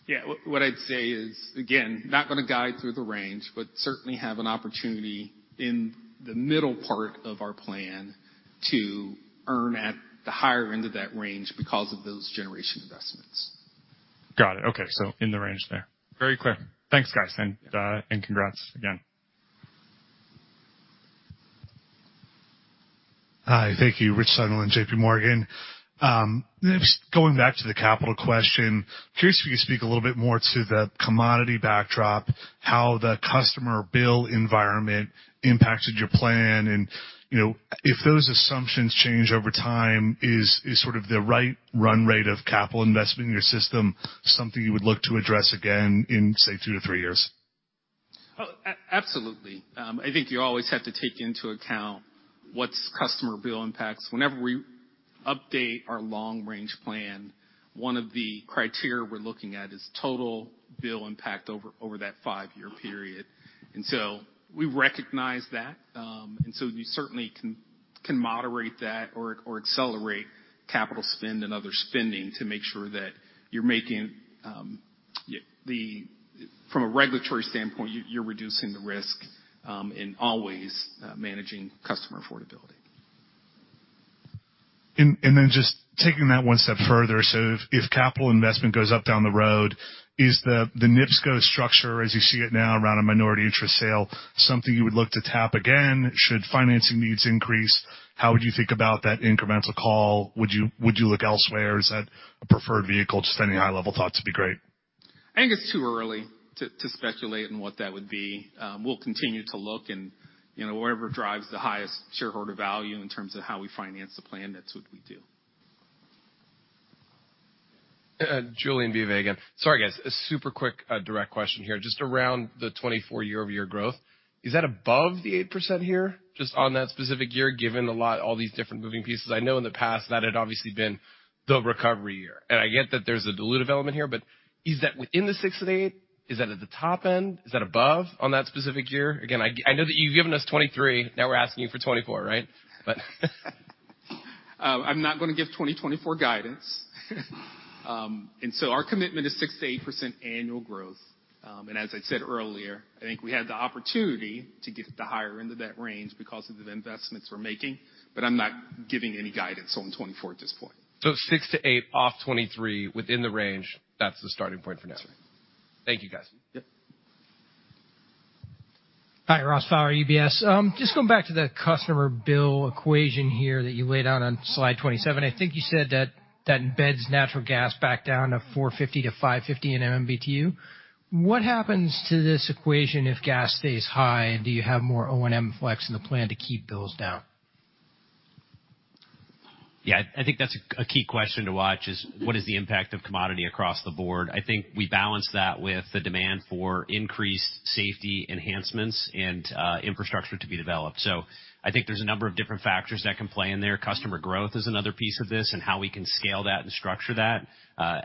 S4: Yeah. What I'd say is, again, not gonna guide through the range, but certainly have an opportunity in the middle part of our plan to earn at the higher end of that range because of those generation investments.
S9: Got it. Okay. In the range there. Very clear. Thanks, guys. Congrats again.
S10: Hi. Thank you. Richard Sundling, JPMorgan. Just going back to the capital question, curious if you could speak a little bit more to the commodity backdrop, how the customer bill environment impacted your plan and, you know, if those assumptions change over time, is sort of the right run rate of capital investment in your system something you would look to address again in, say, two to three years?
S4: Absolutely. I think you always have to take into account what's customer bill impacts. Whenever we update our long-range plan, one of the criteria we're looking at is total bill impact over that five-year period. We recognize that. You certainly can moderate that or accelerate capital spend and other spending to make sure that you're making from a regulatory standpoint, you're reducing the risk and always managing customer affordability.
S10: then just taking that one step further. If capital investment goes up down the road, is the NIPSCO structure as you see it now around a minority interest sale, something you would look to tap again should financing needs increase? How would you think about that incremental call? Would you look elsewhere? Is that a preferred vehicle? Just any high-level thought would be great.
S4: I think it's too early to speculate on what that would be. We'll continue to look and, you know, whatever drives the highest shareholder value in terms of how we finance the plan, that's what we do.
S5: Julien Dumoulin-Smith again. Sorry, guys, a super quick direct question here, just around the 2024 year-over-year growth. Is that above the 8% here, just on that specific year, given a lot, all these different moving pieces? I know in the past that had obviously been the recovery year, and I get that there's a dilutive element here, but is that within the 6%-8%? Is that at the top end? Is that above on that specific year? Again, I know that you've given us 2023. Now we're asking you for 2024, right?
S4: I'm not gonna give 2024 guidance. Our commitment is 6%-8% annual growth. As I said earlier, I think we have the opportunity to get to the higher end of that range because of the investments we're making, but I'm not giving any guidance on 2024 at this point.
S2: 6%-8% off 2023 within the range, that's the starting point for now.
S4: That's right.
S2: Thank you, guys.
S4: Yep.
S11: Hi. Ross Fowler, UBS. Just going back to the customer bill equation here that you laid out on slide 27. I think you said that that embeds natural gas back down to $4.50-$5.50 in MMBTU. What happens to this equation if gas stays high? Do you have more O&M flex in the plan to keep bills down?
S3: Yeah. I think that's a key question to watch is what is the impact of commodity across the board. I think we balance that with the demand for increased safety enhancements and infrastructure to be developed. I think there's a number of different factors that can play in there. Customer growth is another piece of this and how we can scale that and structure that.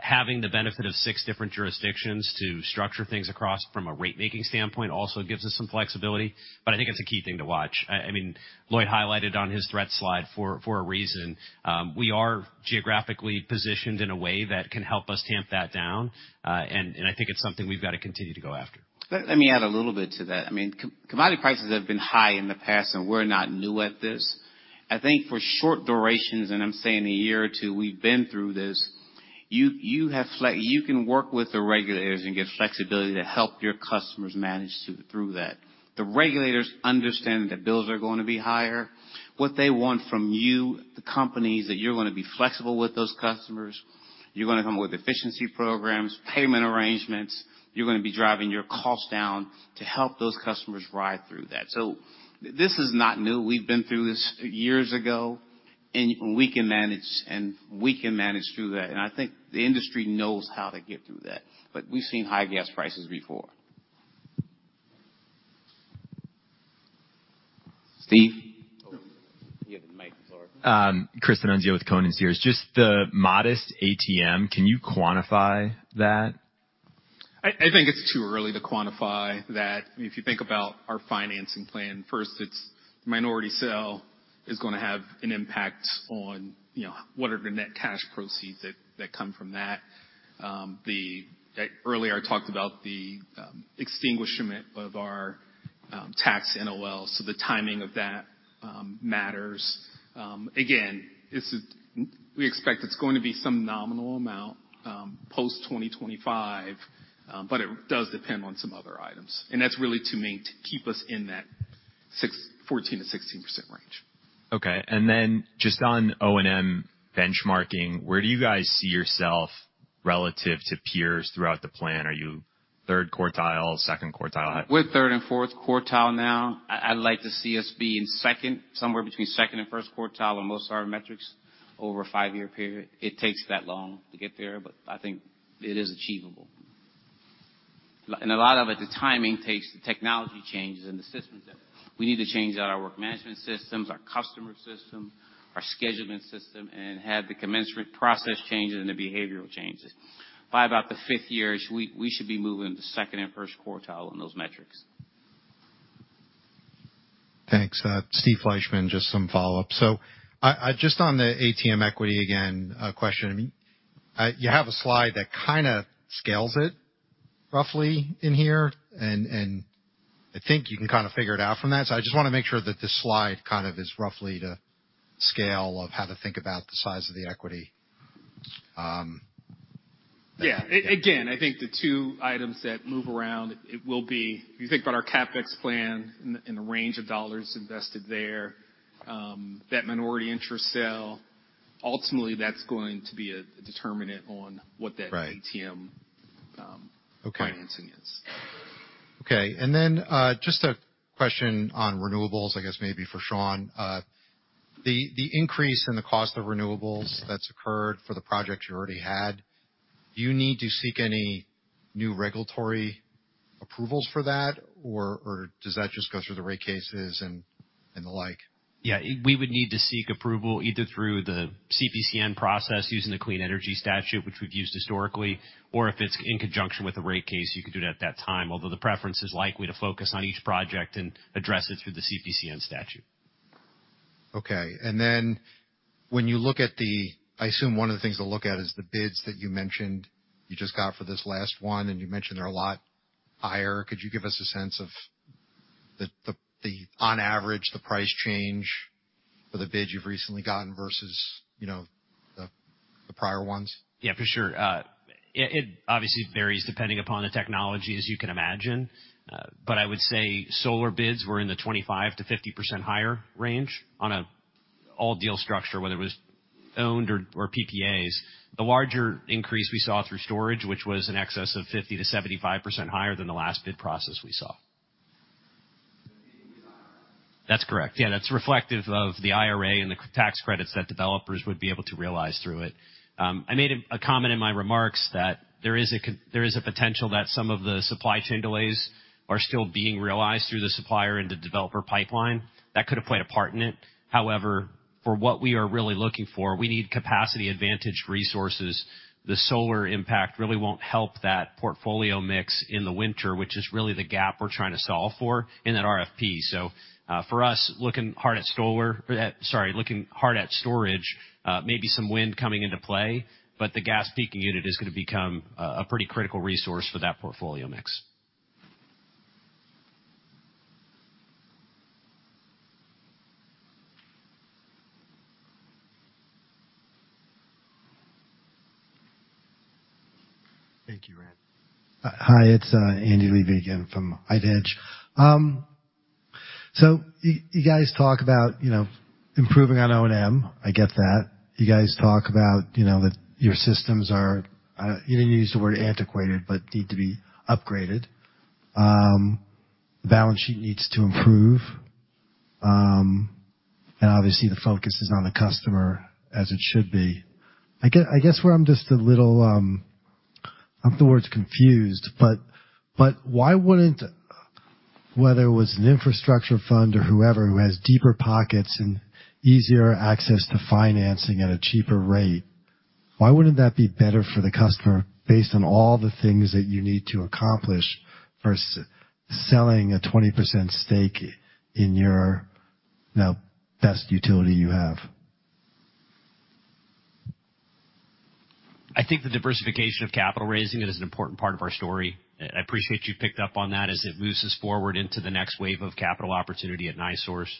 S3: Having the benefit of six different jurisdictions to structure things across from a rate-making standpoint also gives us some flexibility. I think it's a key thing to watch. I mean, Lloyd highlighted on his threat slide for a reason. We are geographically positioned in a way that can help us tamp that down. I think it's something we've got to continue to go after.
S4: Let me add a little bit to that. I mean, commodity prices have been high in the past and we're not new at this. I think for short durations, and I'm saying a year or two, we've been through this. You can work with the regulators and get flexibility to help your customers manage through that. The regulators understand that bills are going to be higher. What they want from you, the companies, that you're going to be flexible with those customers, you're going to come with efficiency programs, payment arrangements, you're going to be driving your costs down to help those customers ride through that. This is not new. We've been through this years ago, and we can manage through that. I think the industry knows how to get through that. We've seen high gas prices before. Steve?
S7: Oh.
S4: You have the mic. Sorry.
S12: Chris DeNunzio with Cohen & Steers. Just the modest ATM, can you quantify that?
S4: I think it's too early to quantify that. If you think about our financing plan, first, its minority sale is gonna have an impact on, you know, what are the net cash proceeds that come from that. Earlier, I talked about the extinguishment of our tax NOL, so the timing of that matters. Again, we expect it's going to be some nominal amount post 2025, but it does depend on some other items. That's really to keep us in that 14%-16% range.
S12: Okay. Just on O&M benchmarking, where do you guys see yourself relative to peers throughout the plan? Are you third quartile, second quartile?
S4: We're third and fourth quartile now. I'd like to see us be in second, somewhere between second and first quartile on most of our metrics over a five-year period. It takes that long to get there, but I think it is achievable. A lot of it, the timing takes the technology changes and the systems changes. We need to change out our work management systems, our customer system, our scheduling system, and have the commensurate process changes and the behavioral changes. By about the fifth year, we should be moving into second and first quartile on those metrics.
S7: Thanks. Steve Fleishman, just some follow-up. I just on the ATM equity, again, a question. I mean, you have a slide that kinda scales it roughly in here, and I think you can kind of figure it out from that. I just wanna make sure that the slide kind of is roughly to scale of how to think about the size of the equity.
S4: Yeah. Again, I think the two items that move around, it will be if you think about our CapEx plan and the range of dollars invested there, that minority interest sale, ultimately that's going to be a determinant on what that.
S7: Right.
S4: ATM, financing is.
S7: Okay. Just a question on renewables, I guess maybe for Shawn. The increase in the cost of renewables that's occurred for the projects you already had, do you need to seek any new regulatory approvals for that? Or does that just go through the rate cases and the like?
S3: Yeah. We would need to seek approval either through the CPCN process using the clean energy statute, which we've used historically, or if it's in conjunction with the rate case, you could do it at that time. Although the preference is likely to focus on each project and address it through the CPCN statute.
S7: Okay. When you look at the, I assume one of the things to look at is the bids that you mentioned you just got for this last one, and you mentioned they're a lot higher. Could you give us a sense of on average the price change for the bid you've recently gotten versus, you know, the prior ones?
S3: Yeah, for sure. It obviously varies depending upon the technology, as you can imagine. I would say solar bids were in the 25%-50% higher range on an all-deal structure, whether it was owned or PPAs. The larger increase we saw through storage, which was in excess of 50%-75% higher than the last bid process we saw. That's correct. Yeah, that's reflective of the IRA and the tax credits that developers would be able to realize through it. I made a comment in my remarks that there is a potential that some of the supply chain delays are still being realized through the supplier and the developer pipeline. That could have played a part in it. However, for what we are really looking for, we need capacity advantage resources. The solar impact really won't help that portfolio mix in the winter, which is really the gap we're trying to solve for in that RFP. For us, looking hard at storage, maybe some wind coming into play, but the gas peaking unit is gonna become a pretty critical resource for that portfolio mix.
S7: Thank you.
S6: Hi, it's Andy Levy again from HITE Hedge. You guys talk about, you know, improving on O&M. I get that. You guys talk about, you know, that your systems are, you didn't use the word antiquated but need to be upgraded. The balance sheet needs to improve. Obviously, the focus is on the customer, as it should be. I guess where I'm just a little, not the word confused, but why wouldn't, whether it was an infrastructure fund or whoever who has deeper pockets and easier access to financing at a cheaper rate, why wouldn't that be better for the customer based on all the things that you need to accomplish versus selling a 20% stake in your now best utility you have?
S3: I think the diversification of capital raising is an important part of our story. I appreciate you picked up on that as it moves us forward into the next wave of capital opportunity at NiSource.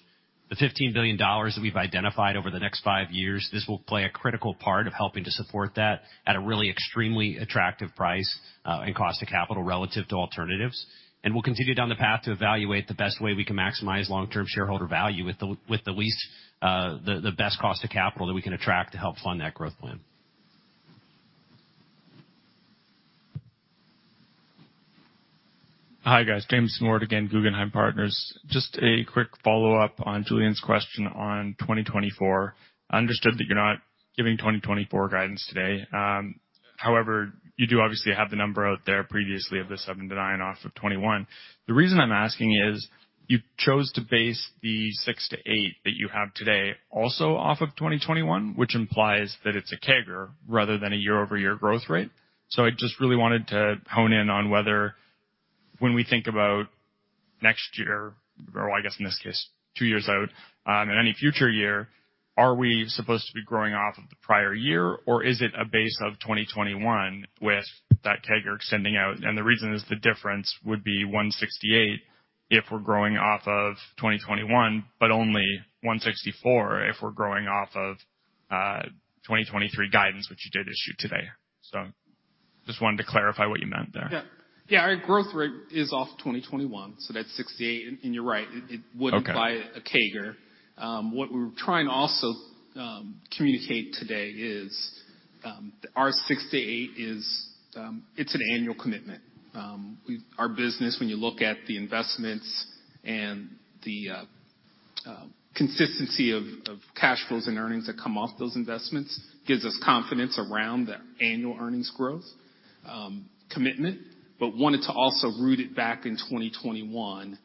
S3: The $15 billion that we've identified over the next five years, this will play a critical part of helping to support that at a really extremely attractive price, and cost of capital relative to alternatives. We'll continue down the path to evaluate the best way we can maximize long-term shareholder value with the best cost of capital that we can attract to help fund that growth plan.
S9: Hi, guys. James Ward again, Guggenheim Partners. Just a quick follow-up on Julien's question on 2024. Understood that you're not giving 2024 guidance today. However, you do obviously have the number out there previously of the 7%-9% off of 2021. The reason I'm asking is you chose to base the 6%-8% that you have today also off of 2021, which implies that it's a CAGR rather than a year-over-year growth rate. I just really wanted to hone in on whether when we think about next year or I guess in this case two years out, in any future year, are we supposed to be growing off of the prior year, or is it a base of 2021 with that CAGR extending out? The reason is the difference would be 168 if we're growing off of 2021, but only 164 if we're growing off of 2023 guidance, which you did issue today. Just wanted to clarify what you meant there.
S4: Yeah. Yeah, our growth rate is off 2021, so that's 6%-8%. You're right, it wouldn't-
S9: Okay.
S4: by a CAGR. What we're trying to also communicate today is, our 6%-8% is, it's an annual commitment. Our business, when you look at the investments and the consistency of cash flows and earnings that come off those investments, gives us confidence around the annual earnings growth commitment, but wanted to also root it back in 2021,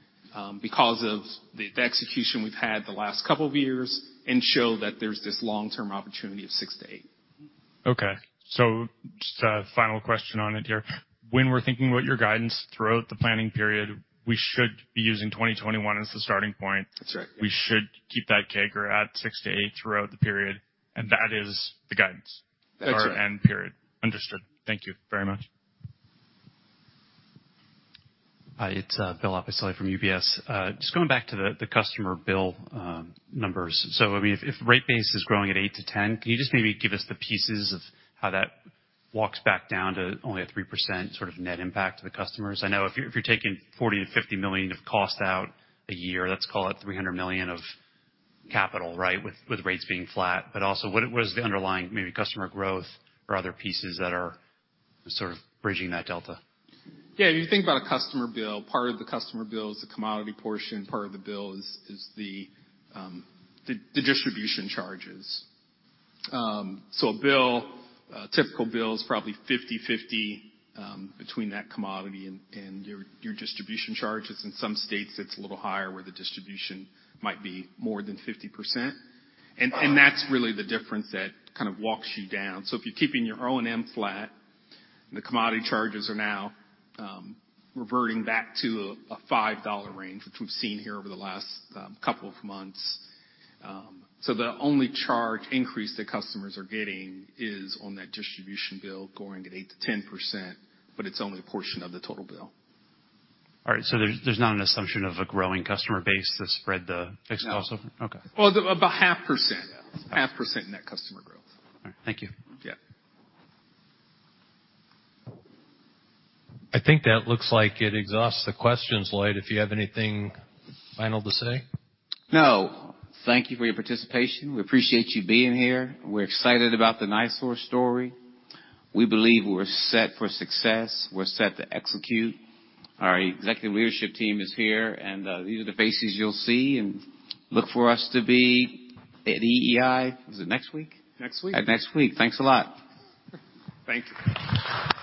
S4: because of the execution we've had the last couple of years and show that there's this long-term opportunity of 6%-8%.
S9: Okay. Just a final question on it here. When we're thinking about your guidance throughout the planning period, we should be using 2021 as the starting point.
S4: That's right.
S9: We should keep that CAGR at 6%-8% throughout the period, and that is the guidance.
S4: That's right.
S9: For our end period. Understood. Thank you very much.
S13: Hi, it's Bill Oppesoli from UBS. Just going back to the customer bill numbers. I mean, if the rate base is growing at 8%-10%, can you just maybe give us the pieces of how that walks back down to only a 3% sort of net impact to the customers? I know if you're taking $40 million-$50 million of cost out a year, let's call it $300 million of capital, right? With rates being flat. But also what is the underlying maybe customer growth or other pieces that are sort of bridging that delta?
S4: Yeah. If you think about a customer bill, part of the customer bill is the commodity portion. Part of the bill is the distribution charges. A typical bill is probably 50/50 between that commodity and your distribution charges. In some states, it's a little higher where the distribution might be more than 50%. That's really the difference that kind of walks you down. If you're keeping your O&M flat, and the commodity charges are now reverting back to a $5 range, which we've seen here over the last couple of months. The only charge increase that customers are getting is on that distribution bill growing at 8%-10%, but it's only a portion of the total bill.
S13: All right. There's not an assumption of a growing customer base to spread the fixed costs over.
S4: No.
S13: Okay.
S4: Well, about 0.5%.
S13: Yeah.
S4: 0.5% net customer growth.
S13: All right. Thank you.
S4: Yeah. I think that looks like it exhausts the questions, Lloyd, if you have anything final to say.
S2: No. Thank you for your participation. We appreciate you being here. We're excited about the NiSource story. We believe we're set for success. We're set to execute. Our executive leadership team is here, and these are the faces you'll see, and look for us to be at EEI. Is it next week?
S4: Next week.
S2: At next week. Thanks a lot.
S4: Thank you.